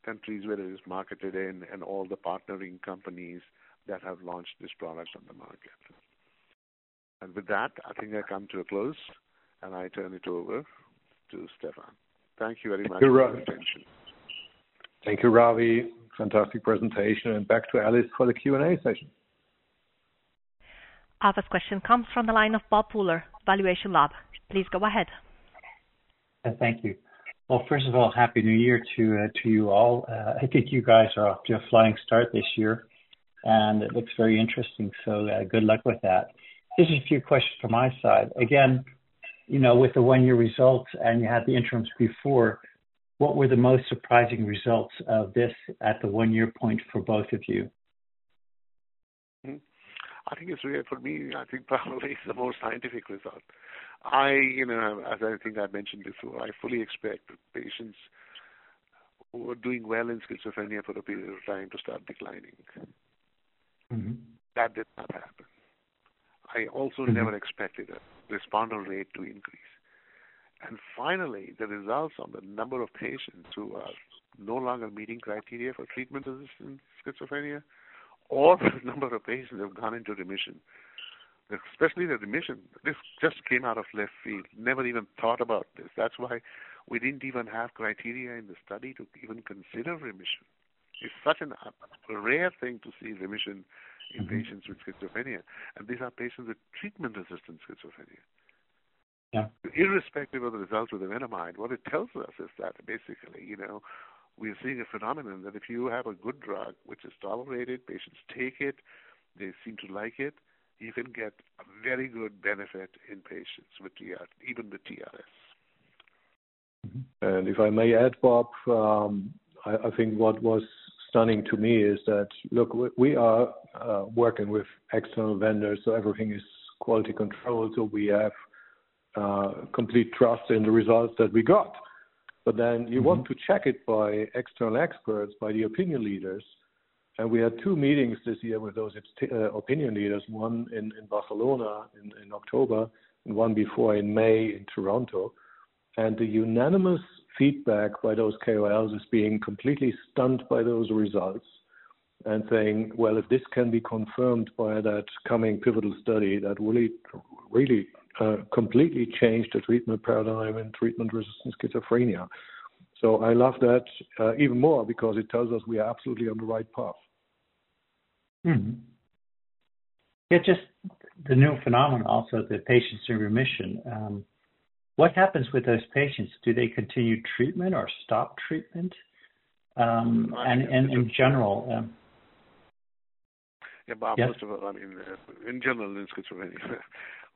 countries where it is marketed in and all the partnering companies that have launched this product on the market. With that, I think I come to a close, and I turn it over to Stefan. Thank you very much for your attention.
Thank you, Ravi. Fantastic presentation, and back to Alice for the Q&A session.
Our first question comes from the line of Bob Pooler, Valuation Lab. Please go ahead.
Thank you. Well, first of all, Happy New Year to you all. I think you guys are off to a flying start this year, and it looks very interesting, so good luck with that. Just a few questions from my side. Again, with the one-year results, and you had the interims before, what were the most surprising results of this at the one-year point for both of you?
I think it's weird for me. I think probably it's the most scientific result. As I think I mentioned before, I fully expect patients who are doing well in schizophrenia for a period of time to start declining. That did not happen. I also never expected a responder rate to increase. Finally, the results on the number of patients who are no longer meeting criteria for treatment in schizophrenia, or the number of patients who have gone into remission, especially the remission. This just came out of left field. Never even thought about this. That's why we didn't even have criteria in the study to even consider remission. It's such a rare thing to see remission in patients with schizophrenia, and these are patients with treatment-resistant schizophrenia.
Yeah.
Irrespective of the results with evenamide, what it tells us is that basically, we're seeing a phenomenon that if you have a good drug, which is tolerated, patients take it, they seem to like it, you can get a very good benefit in patients with TR, even with TRS.
If I may add, Bob, I think what was stunning to me is that, look, we are working with external vendors, everything is quality controlled. We have complete trust in the results that we got. Then you want to check it by external experts, by the opinion leaders. We had two meetings this year with those opinion leaders, one in Barcelona in October and one before in May in Toronto. The unanimous feedback by those KOLs is being completely stunned by those results and saying, "Well, if this can be confirmed by that coming pivotal study, that will really completely change the treatment paradigm in treatment-resistant schizophrenia." I love that even more because it tells us we are absolutely on the right path.
Yeah, just the new phenomenon also, the patients in remission. What happens with those patients? Do they continue treatment or stop treatment? In general-
Yeah, Bob, first of all
Yeah
in general, in schizophrenia,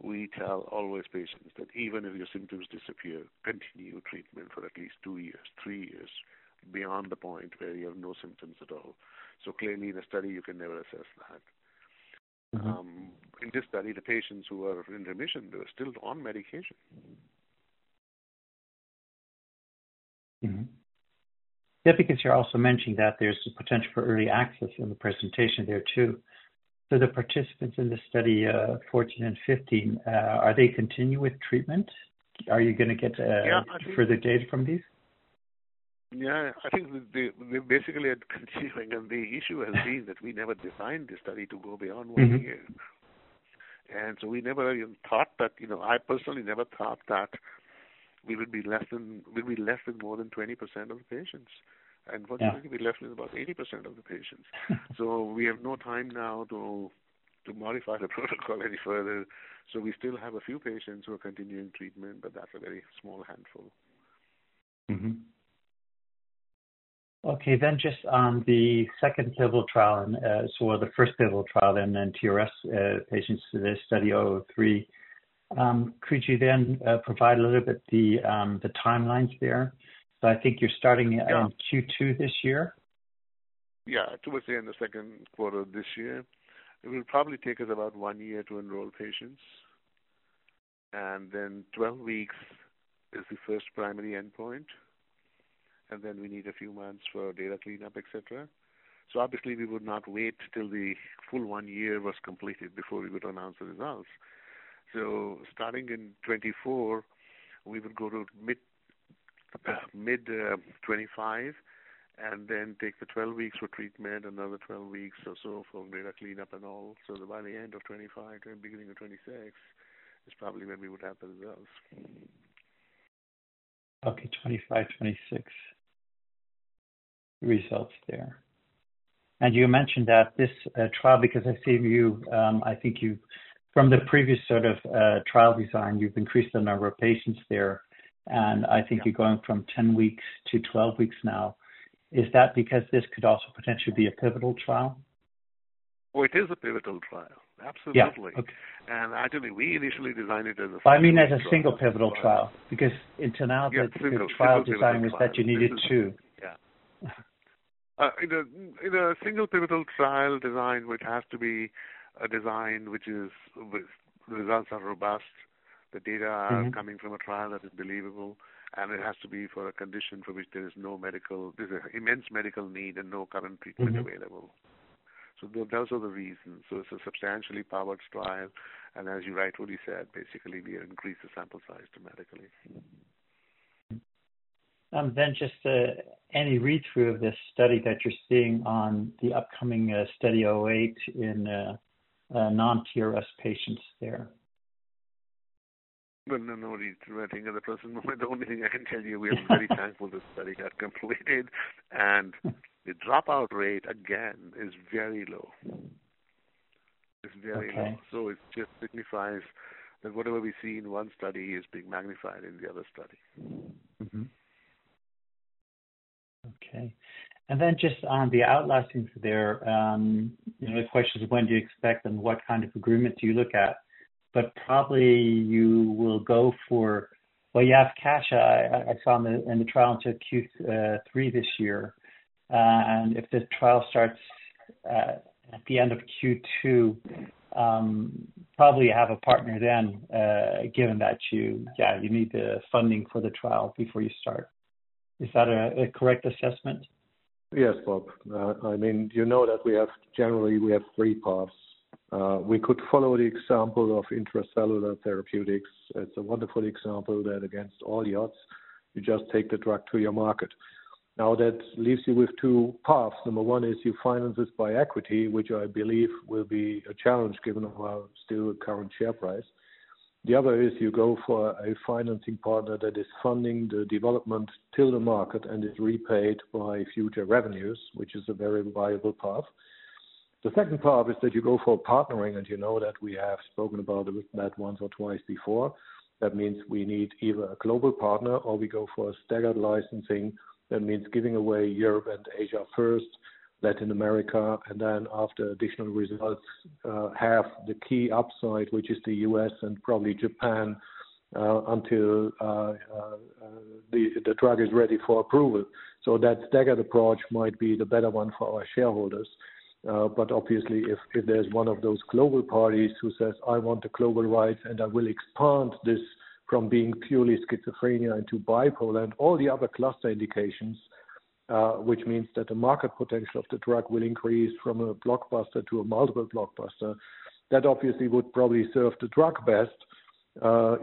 we tell always patients that even if your symptoms disappear, continue treatment for at least two years, three years beyond the point where you have no symptoms at all. Clearly, in a study, you can never assess that. In this study, the patients who are in remission, they were still on medication.
Mm-hmm. Yeah, because you're also mentioning that there's potential for early access in the presentation there, too. The participants in the study, 14 and 15, are they continuing with treatment? Are you going to get
Yeah
further data from these?
Yeah, I think we basically are continuing, the issue has been that we never designed the study to go beyond one year. we never even thought that, I personally never thought that we would be left with more than 20% of the patients. Fortunately
Yeah
we're left with about 80% of the patients. We have no time now to modify the protocol any further. We still have a few patients who are continuing treatment, but that's a very small handful.
Okay, just on the second pivotal trial and sort of the first pivotal trial TRS patients to the Study 003. Could you provide a little bit the timelines there? I think you're starting-
Yeah
Q2 this year.
Towards the end of the second quarter of this year. It will probably take us about one year to enroll patients, and then 12 weeks is the first primary endpoint, and then we need a few months for data cleanup, et cetera. Obviously, we would not wait till the full one year was completed before we would announce the results. Starting in 2024, we would go to mid-2025 and take the 12 weeks for treatment, another 12 weeks or so for data cleanup and all. By the end of 2025, beginning of 2026, is probably when we would have the results.
Okay. 2025, 2026 results there. You mentioned that this trial, because I think from the previous sort of trial design, you've increased the number of patients there, and I think you're going from 10 weeks to 12 weeks now. Is that because this could also potentially be a pivotal trial?
Well, it is a pivotal trial. Absolutely.
Yeah. Okay.
Actually, we initially designed it as a final trial.
I mean as a single pivotal trial, because until now.
Yeah
The trial design is that you needed two.
Yeah. In a single pivotal trial design, which has to be a design which the results are robust, the data are coming from a trial that is believable, it has to be for a condition for which there's immense medical need and no current treatment available. Those are the reasons. It's a substantially powered trial, and as you rightly said, basically, we increased the sample size dramatically.
Mm-hmm. Just any read-through of this study that you're seeing on the upcoming Study 008 in non-TRS patients there?
No, we're thinking at the present moment, the only thing I can tell you, we are very thankful the study got completed and the dropout rate again is very low.
Okay.
It's very low. It just signifies that whatever we see in one study is being magnified in the other study.
Okay. Just on the outlying for there, the questions of when do you expect and what kind of agreement do you look at? Probably you will go for, well, you have cash I saw in the trial into Q3 this year. If this trial starts at the end of Q2, probably have a partner then, given that you need the funding for the trial before you start. Is that a correct assessment?
Yes, Bob. You know that we have, generally, we have three paths. We could follow the example of Intra-Cellular Therapies. It's a wonderful example that against all odds, you just take the drug to your market. That leaves you with two paths. Number one is you finance this by equity, which I believe will be a challenge given our still current share price. The other is you go for a financing partner that is funding the development till the market and is repaid by future revenues, which is a very viable path. The second path is that you go for partnering, and you know that we have spoken about that once or twice before. That means we need either a global partner or we go for a staggered licensing. That means giving away Europe and Asia first, Latin America, and then after additional results, have the key upside, which is the U.S. and probably Japan, until the drug is ready for approval. That staggered approach might be the better one for our shareholders. Obviously if there's one of those global parties who says, "I want the global rights and I will expand this from being purely schizophrenia into bipolar and all the other cluster indications," which means that the market potential of the drug will increase from a blockbuster to a multiple blockbuster. Obviously would probably serve the drug best,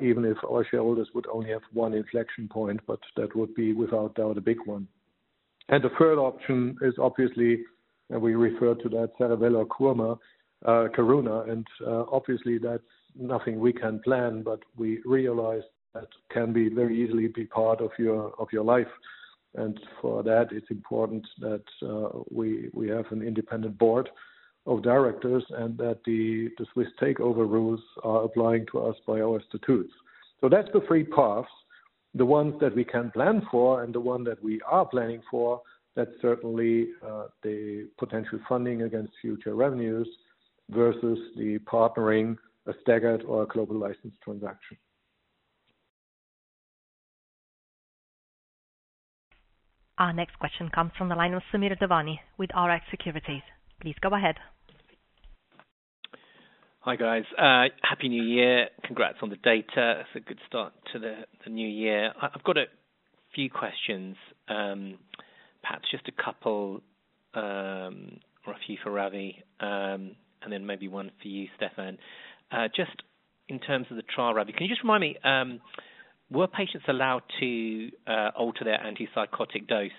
even if our shareholders would only have one inflection point, but that would be without doubt a big one. The third option is obviously, we refer to that Cerevel or Karuna, obviously that's nothing we can plan, but we realize that can very easily be part of your life. For that, it's important that we have an independent board of directors and that the Swiss takeover rules are applying to us by our statutes. That's the three paths, the ones that we can plan for and the one that we are planning for, that's certainly the potential funding against future revenues versus the partnering a staggered or a global license transaction.
Our next question comes from the line of Samir Devani with Rx Securities. Please go ahead.
Hi guys. Happy New Year. Congrats on the data. It's a good start to the new year. I've got a few questions, perhaps just a couple or a few for Ravi, and then maybe one for you, Stefan. Just in terms of the trial, Ravi, can you just remind me, were patients allowed to alter their antipsychotic dose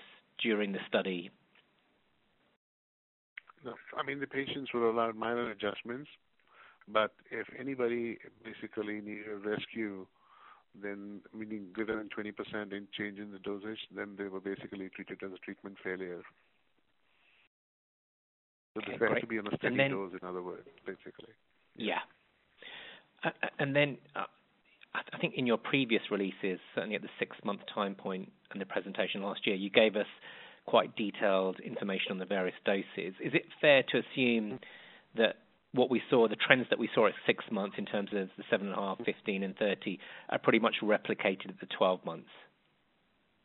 during the study?
No. The patients were allowed minor adjustments, but if anybody basically needed a rescue, meaning greater than 20% in change in the dosage, then they were basically treated as a treatment failure.
Okay, great.
They had to be on a steady dose, in other words, basically.
Yeah. Then, I think in your previous releases, certainly at the six-month time point in the presentation last year, you gave us quite detailed information on the various doses. Is it fair to assume that what we saw, the trends that we saw at six months in terms of the 7.5, 15 and 30, are pretty much replicated at the 12 months?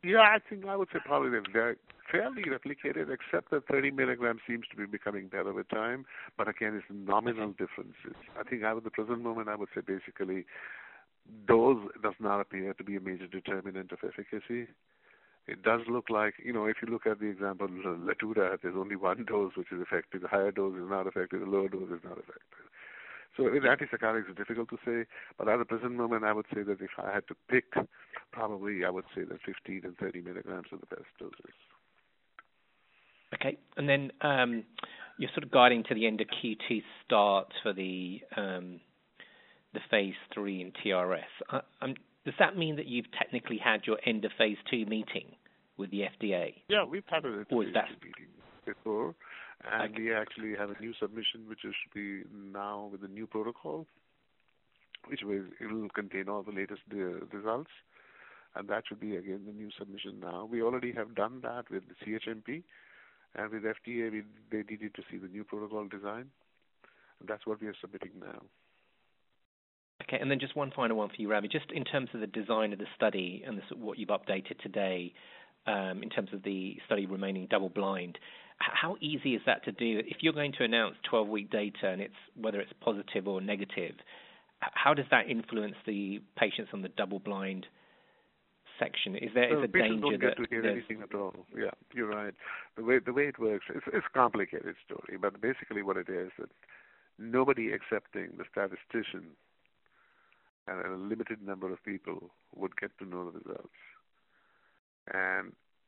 Yeah, I think I would say probably they are fairly replicated, except that 30 milligrams seems to be becoming better with time. But again, it's nominal differences. I think at the present moment, I would say basically dose does not appear to be a major determinant of efficacy. It does look like, if you look at the example, LATUDA, there is only one dose which is effective. The higher dose is not effective, the lower dose is not effective. With antipsychotics, it's difficult to say. But at the present moment, I would say that if I had to pick, probably I would say that 15 and 30 milligrams are the best doses.
Okay. Then, you are sort of guiding to the end of Q2 start for the phase III in TRS. Does that mean that you have technically had your end of phase II meeting with the FDA?
Yeah, we have had a phase II.
Is that?
-meeting before. We actually have a new submission, which should be now with the new protocol, which will contain all the latest results. That should be again, the new submission now. We already have done that with the CHMP. With FDA, they needed to see the new protocol design. That's what we are submitting now.
Okay, just one final one for you, Ravi. Just in terms of the design of the study and what you've updated today, in terms of the study remaining double blind, how easy is that to do? If you're going to announce 12-week data, whether it's positive or negative, how does that influence the patients on the double blind section? Is there a danger that the-
Patients don't get to hear anything at all. Yeah, you're right. The way it works, it's a complicated story, but basically what it is that nobody excepting the statistician and a limited number of people would get to know the results.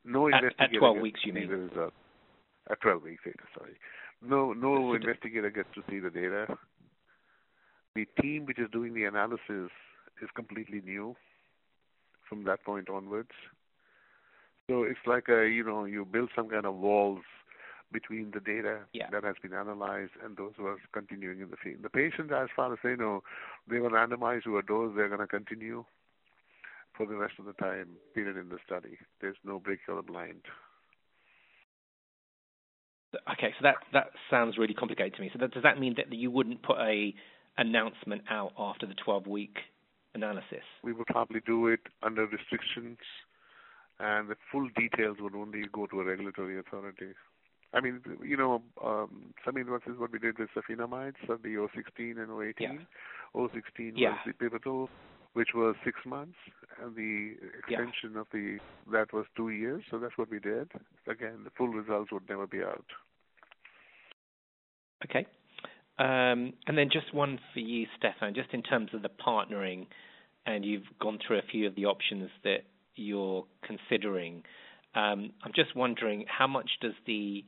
No investigator gets-
At 12 weeks, you mean
At 12 weeks data, sorry. No investigator gets to see the data. The team which is doing the analysis is completely new from that point onwards. It's like you build some kind of walls between the data- Yeah that has been analyzed and those who are continuing in the field. The patients, as far as they know, they were randomized to a dose, they're going to continue for the rest of the time period in the study. There's no break or blind.
Okay. That sounds really complicated to me. Does that mean that you wouldn't put a announcement out after the 12-week analysis?
We would probably do it under restrictions, and the full details would only go to a regulatory authority. Same invoices what we did with safinamide, Study 016 and 018. Yeah. 016 Yeah the pivotal, which was six months, Yeah extension of the that was two years, so that's what we did. Again, the full results would never be out.
Okay. Just one for you, Stefan, just in terms of the partnering, you've gone through a few of the options that you're considering. I'm just wondering how much does the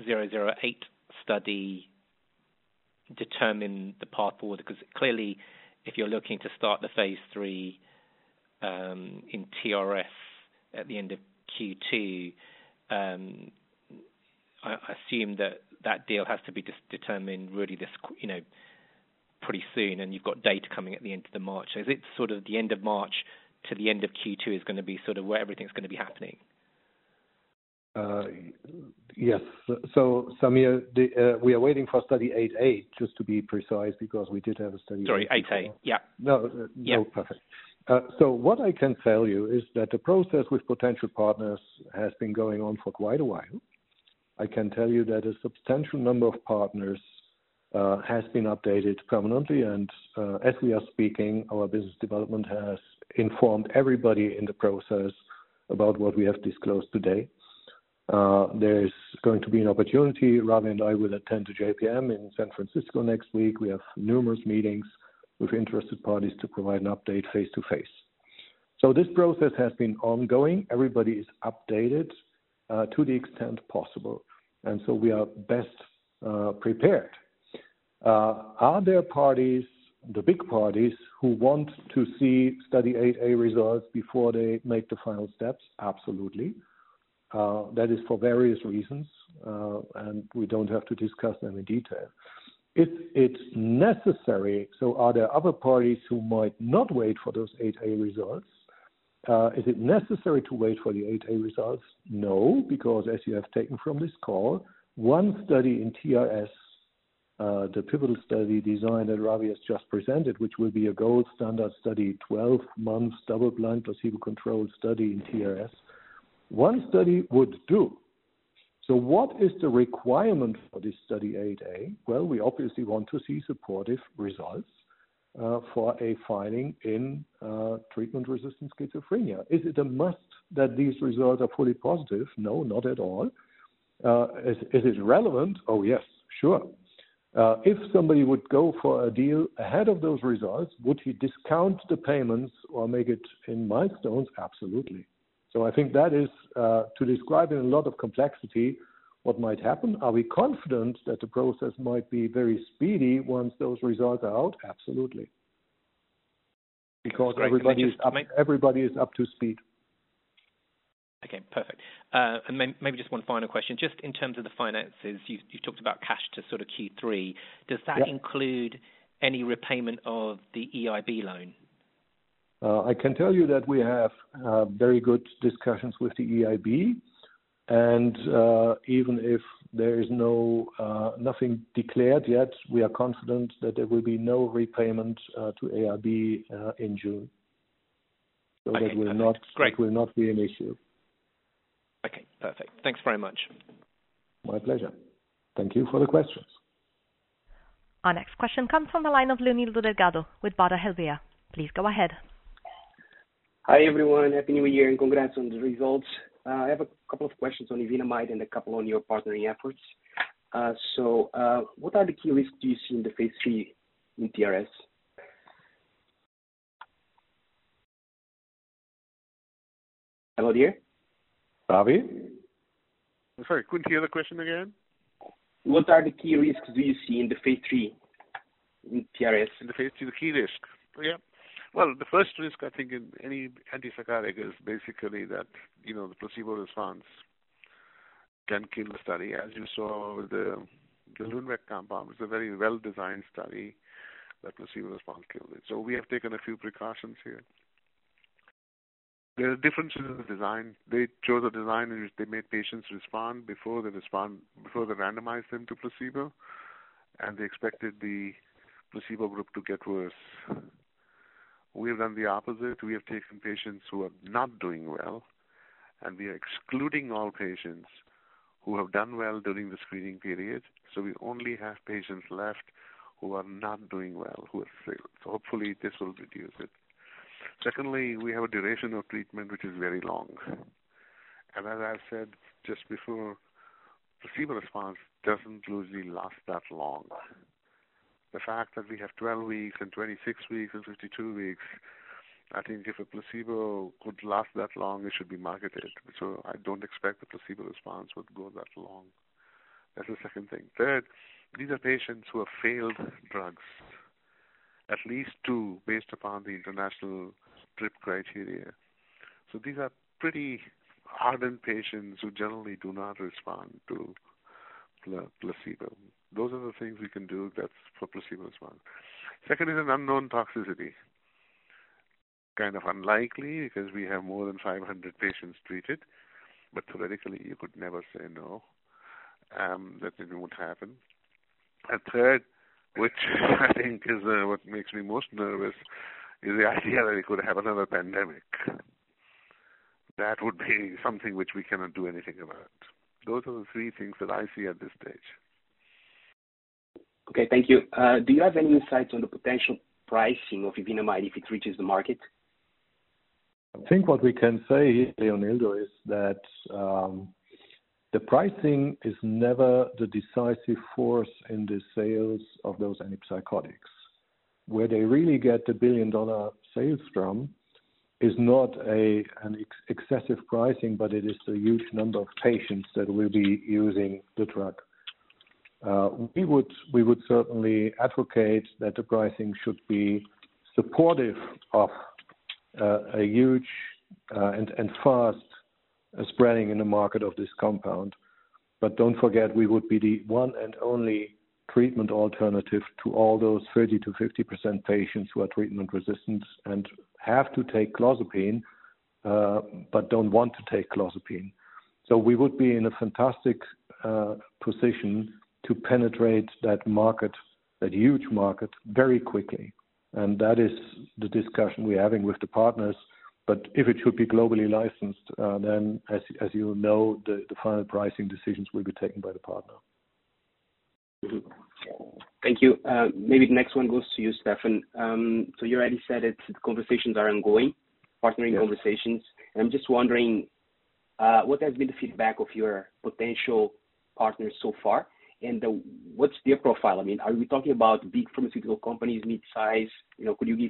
008 study determine the path forward, because clearly, if you're looking to start the phase III, in TRS at the end of Q2, I assume that that deal has to be determined really pretty soon, you've got data coming at the end of March. Is it sort of the end of March to the end of Q2 is going to be sort of where everything's going to be happening?
Yes. Samir, we are waiting for Study 008A, just to be precise, because we did have a study-
Sorry, 8A. Yeah.
No.
Yeah.
Perfect. What I can tell you is that the process with potential partners has been going on for quite a while. I can tell you that a substantial number of partners has been updated permanently, as we are speaking, our business development has informed everybody in the process about what we have disclosed today. There is going to be an opportunity, Ravi and I will attend to JPM in San Francisco next week. We have numerous meetings with interested parties to provide an update face-to-face. This process has been ongoing. Everybody is updated, to the extent possible. We are best prepared. Are there parties, the big parties, who want to see Study 008A results before they make the final steps? Absolutely. That is for various reasons. We don't have to discuss them in detail. It's necessary. Are there other parties who might not wait for those 8A results? Is it necessary to wait for the 8A results? No, because as you have taken from this call, one study in TRS, the pivotal study design that Ravi has just presented, which will be a gold standard study, 12 months double-blind placebo-controlled study in TRS, one study would do. What is the requirement for this Study 8A? Well, we obviously want to see supportive results for a filing in Treatment-Resistant Schizophrenia. Is it a must that these results are fully positive? No, not at all. Is it relevant? Oh, yes. Sure. If somebody would go for a deal ahead of those results, would he discount the payments or make it in milestones? Absolutely. I think that is, to describe it in a lot of complexity, what might happen. Are we confident that the process might be very speedy once those results are out? Absolutely.
That's great. Thank you.
Everybody is up to speed.
Okay, perfect. Maybe just one final question. Just in terms of the finances, you've talked about cash to sort of Q3.
Yeah.
Does that include any repayment of the EIB loan?
I can tell you that we have very good discussions with the EIB. Even if there is nothing declared yet, we are confident that there will be no repayment to EIB in June.
Okay. Perfect. Great.
It will not be an issue.
Okay, perfect. Thanks very much.
My pleasure. Thank you for the questions.
Our next question comes from the line of Leonildo Delgado with Baader Helvea. Please go ahead.
Hi, everyone. Happy New Year and congrats on the results. I have a couple of questions on evenamide and a couple on your partnering efforts. What are the key risks do you see in the phase III in TRS? Hello, there?
Ravi?
I'm sorry, could you the question again?
What are the key risks do you see in the phase III in TRS?
In the phase III, the key risk? Yeah. Well, the first risk, I think in any antipsychotic is basically that the placebo response can kill the study. As you saw, the Lundbeck compound was a very well-designed study that placebo response killed it. We have taken a few precautions here. There are differences in the design. They chose a design in which they made patients respond before they randomized them to placebo, and they expected the placebo group to get worse. We have done the opposite. We have taken patients who are not doing well, and we are excluding all patients who have done well during the screening period. We only have patients left who are not doing well, who have failed. Hopefully this will reduce it. Secondly, we have a duration of treatment which is very long. As I said just before, placebo response doesn't usually last that long. The fact that we have 12 weeks and 26 weeks and 52 weeks, I think if a placebo could last that long, it should be marketed. I don't expect the placebo response would go that long. That's the second thing. Third, these are patients who have failed drugs, at least two, based upon the international TRRIP criteria. These are pretty hardened patients who generally do not respond to the placebo. Those are the things we can do that's for placebo response. Second is an unknown toxicity. Kind of unlikely because we have more than 500 patients treated, but theoretically, you could never say no, that it won't happen. Third, which I think is what makes me most nervous, is the idea that we could have another pandemic. That would be something which we cannot do anything about. Those are the three things that I see at this stage.
Okay. Thank you. Do you have any insight on the potential pricing of evenamide if it reaches the market?
I think what we can say, Leonildo, is that the pricing is never the decisive force in the sales of those antipsychotics. Where they really get the billion-dollar sales from is not an excessive pricing, but it is the huge number of patients that will be using the drug. We would certainly advocate that the pricing should be supportive of a huge and fast spreading in the market of this compound. Don't forget, we would be the one and only treatment alternative to all those 30%-50% patients who are treatment-resistant and have to take clozapine, but don't want to take clozapine. We would be in a fantastic position to penetrate that huge market very quickly, and that is the discussion we're having with the partners. If it should be globally licensed, then as you know, the final pricing decisions will be taken by the partner.
Mm-hmm. Thank you. Maybe the next one goes to you, Stefan. You already said it, conversations are ongoing, partnering conversations.
Yes. I'm just wondering, what has been the feedback of your potential partners so far, and what's their profile? Are we talking about big pharmaceutical companies, mid-size? Could you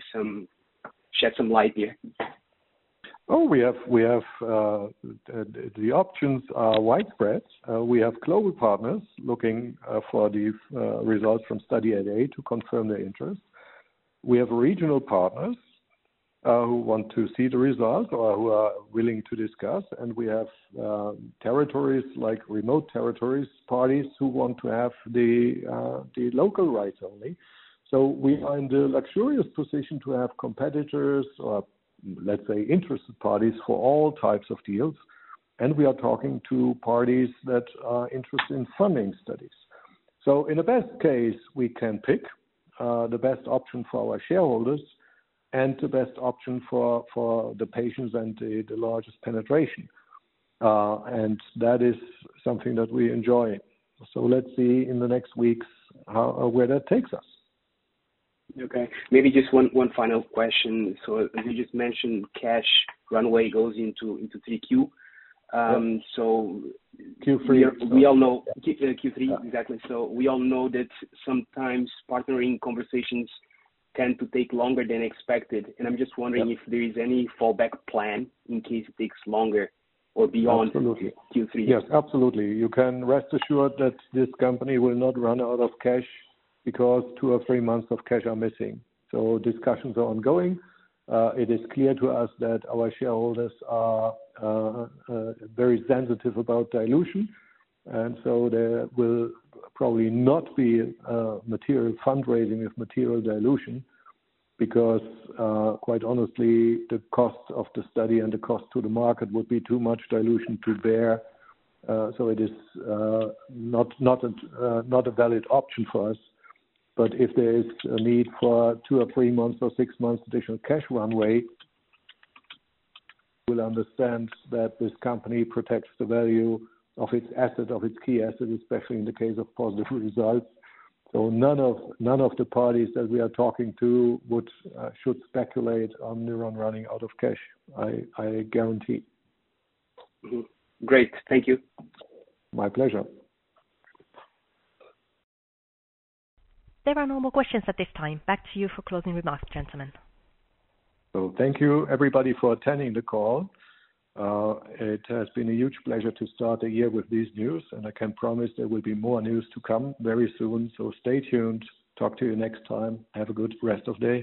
shed some light here? Oh, the options are widespread. We have global partners looking for these results from Study 008A to confirm their interest. We have regional partners who want to see the results or who are willing to discuss, and we have territories like remote territories, parties who want to have the local rights only. We are in the luxurious position to have competitors or, let's say, interested parties for all types of deals. We are talking to parties that are interested in funding studies. In the best case, we can pick the best option for our shareholders and the best option for the patients and the largest penetration. That is something that we enjoy. Let's see in the next weeks where that takes us.
Okay. Maybe just one final question. As you just mentioned, cash runway goes into 3Q.
Yep.
So-
Q3
We all know Q3. Exactly. We all know that sometimes partnering conversations tend to take longer than expected.
Yep. I'm just wondering if there is any fallback plan in case it takes longer or beyond- Absolutely Q3. Yes, absolutely. You can rest assured that this company will not run out of cash because two or three months of cash are missing. Discussions are ongoing. It is clear to us that our shareholders are very sensitive about dilution, there will probably not be a material fundraising of material dilution because, quite honestly, the cost of the study and the cost to the market would be too much dilution to bear, it is not a valid option for us. If there is a need for two or three months or six months additional cash runway, we'll understand that this company protects the value of its asset, of its key asset, especially in the case of positive results. None of the parties that we are talking to should speculate on Newron running out of cash. I guarantee.
Great. Thank you.
My pleasure.
There are no more questions at this time. Back to you for closing remarks, gentlemen.
Thank you everybody for attending the call. It has been a huge pleasure to start the year with this news. I can promise there will be more news to come very soon. Stay tuned. Talk to you next time. Have a good rest of day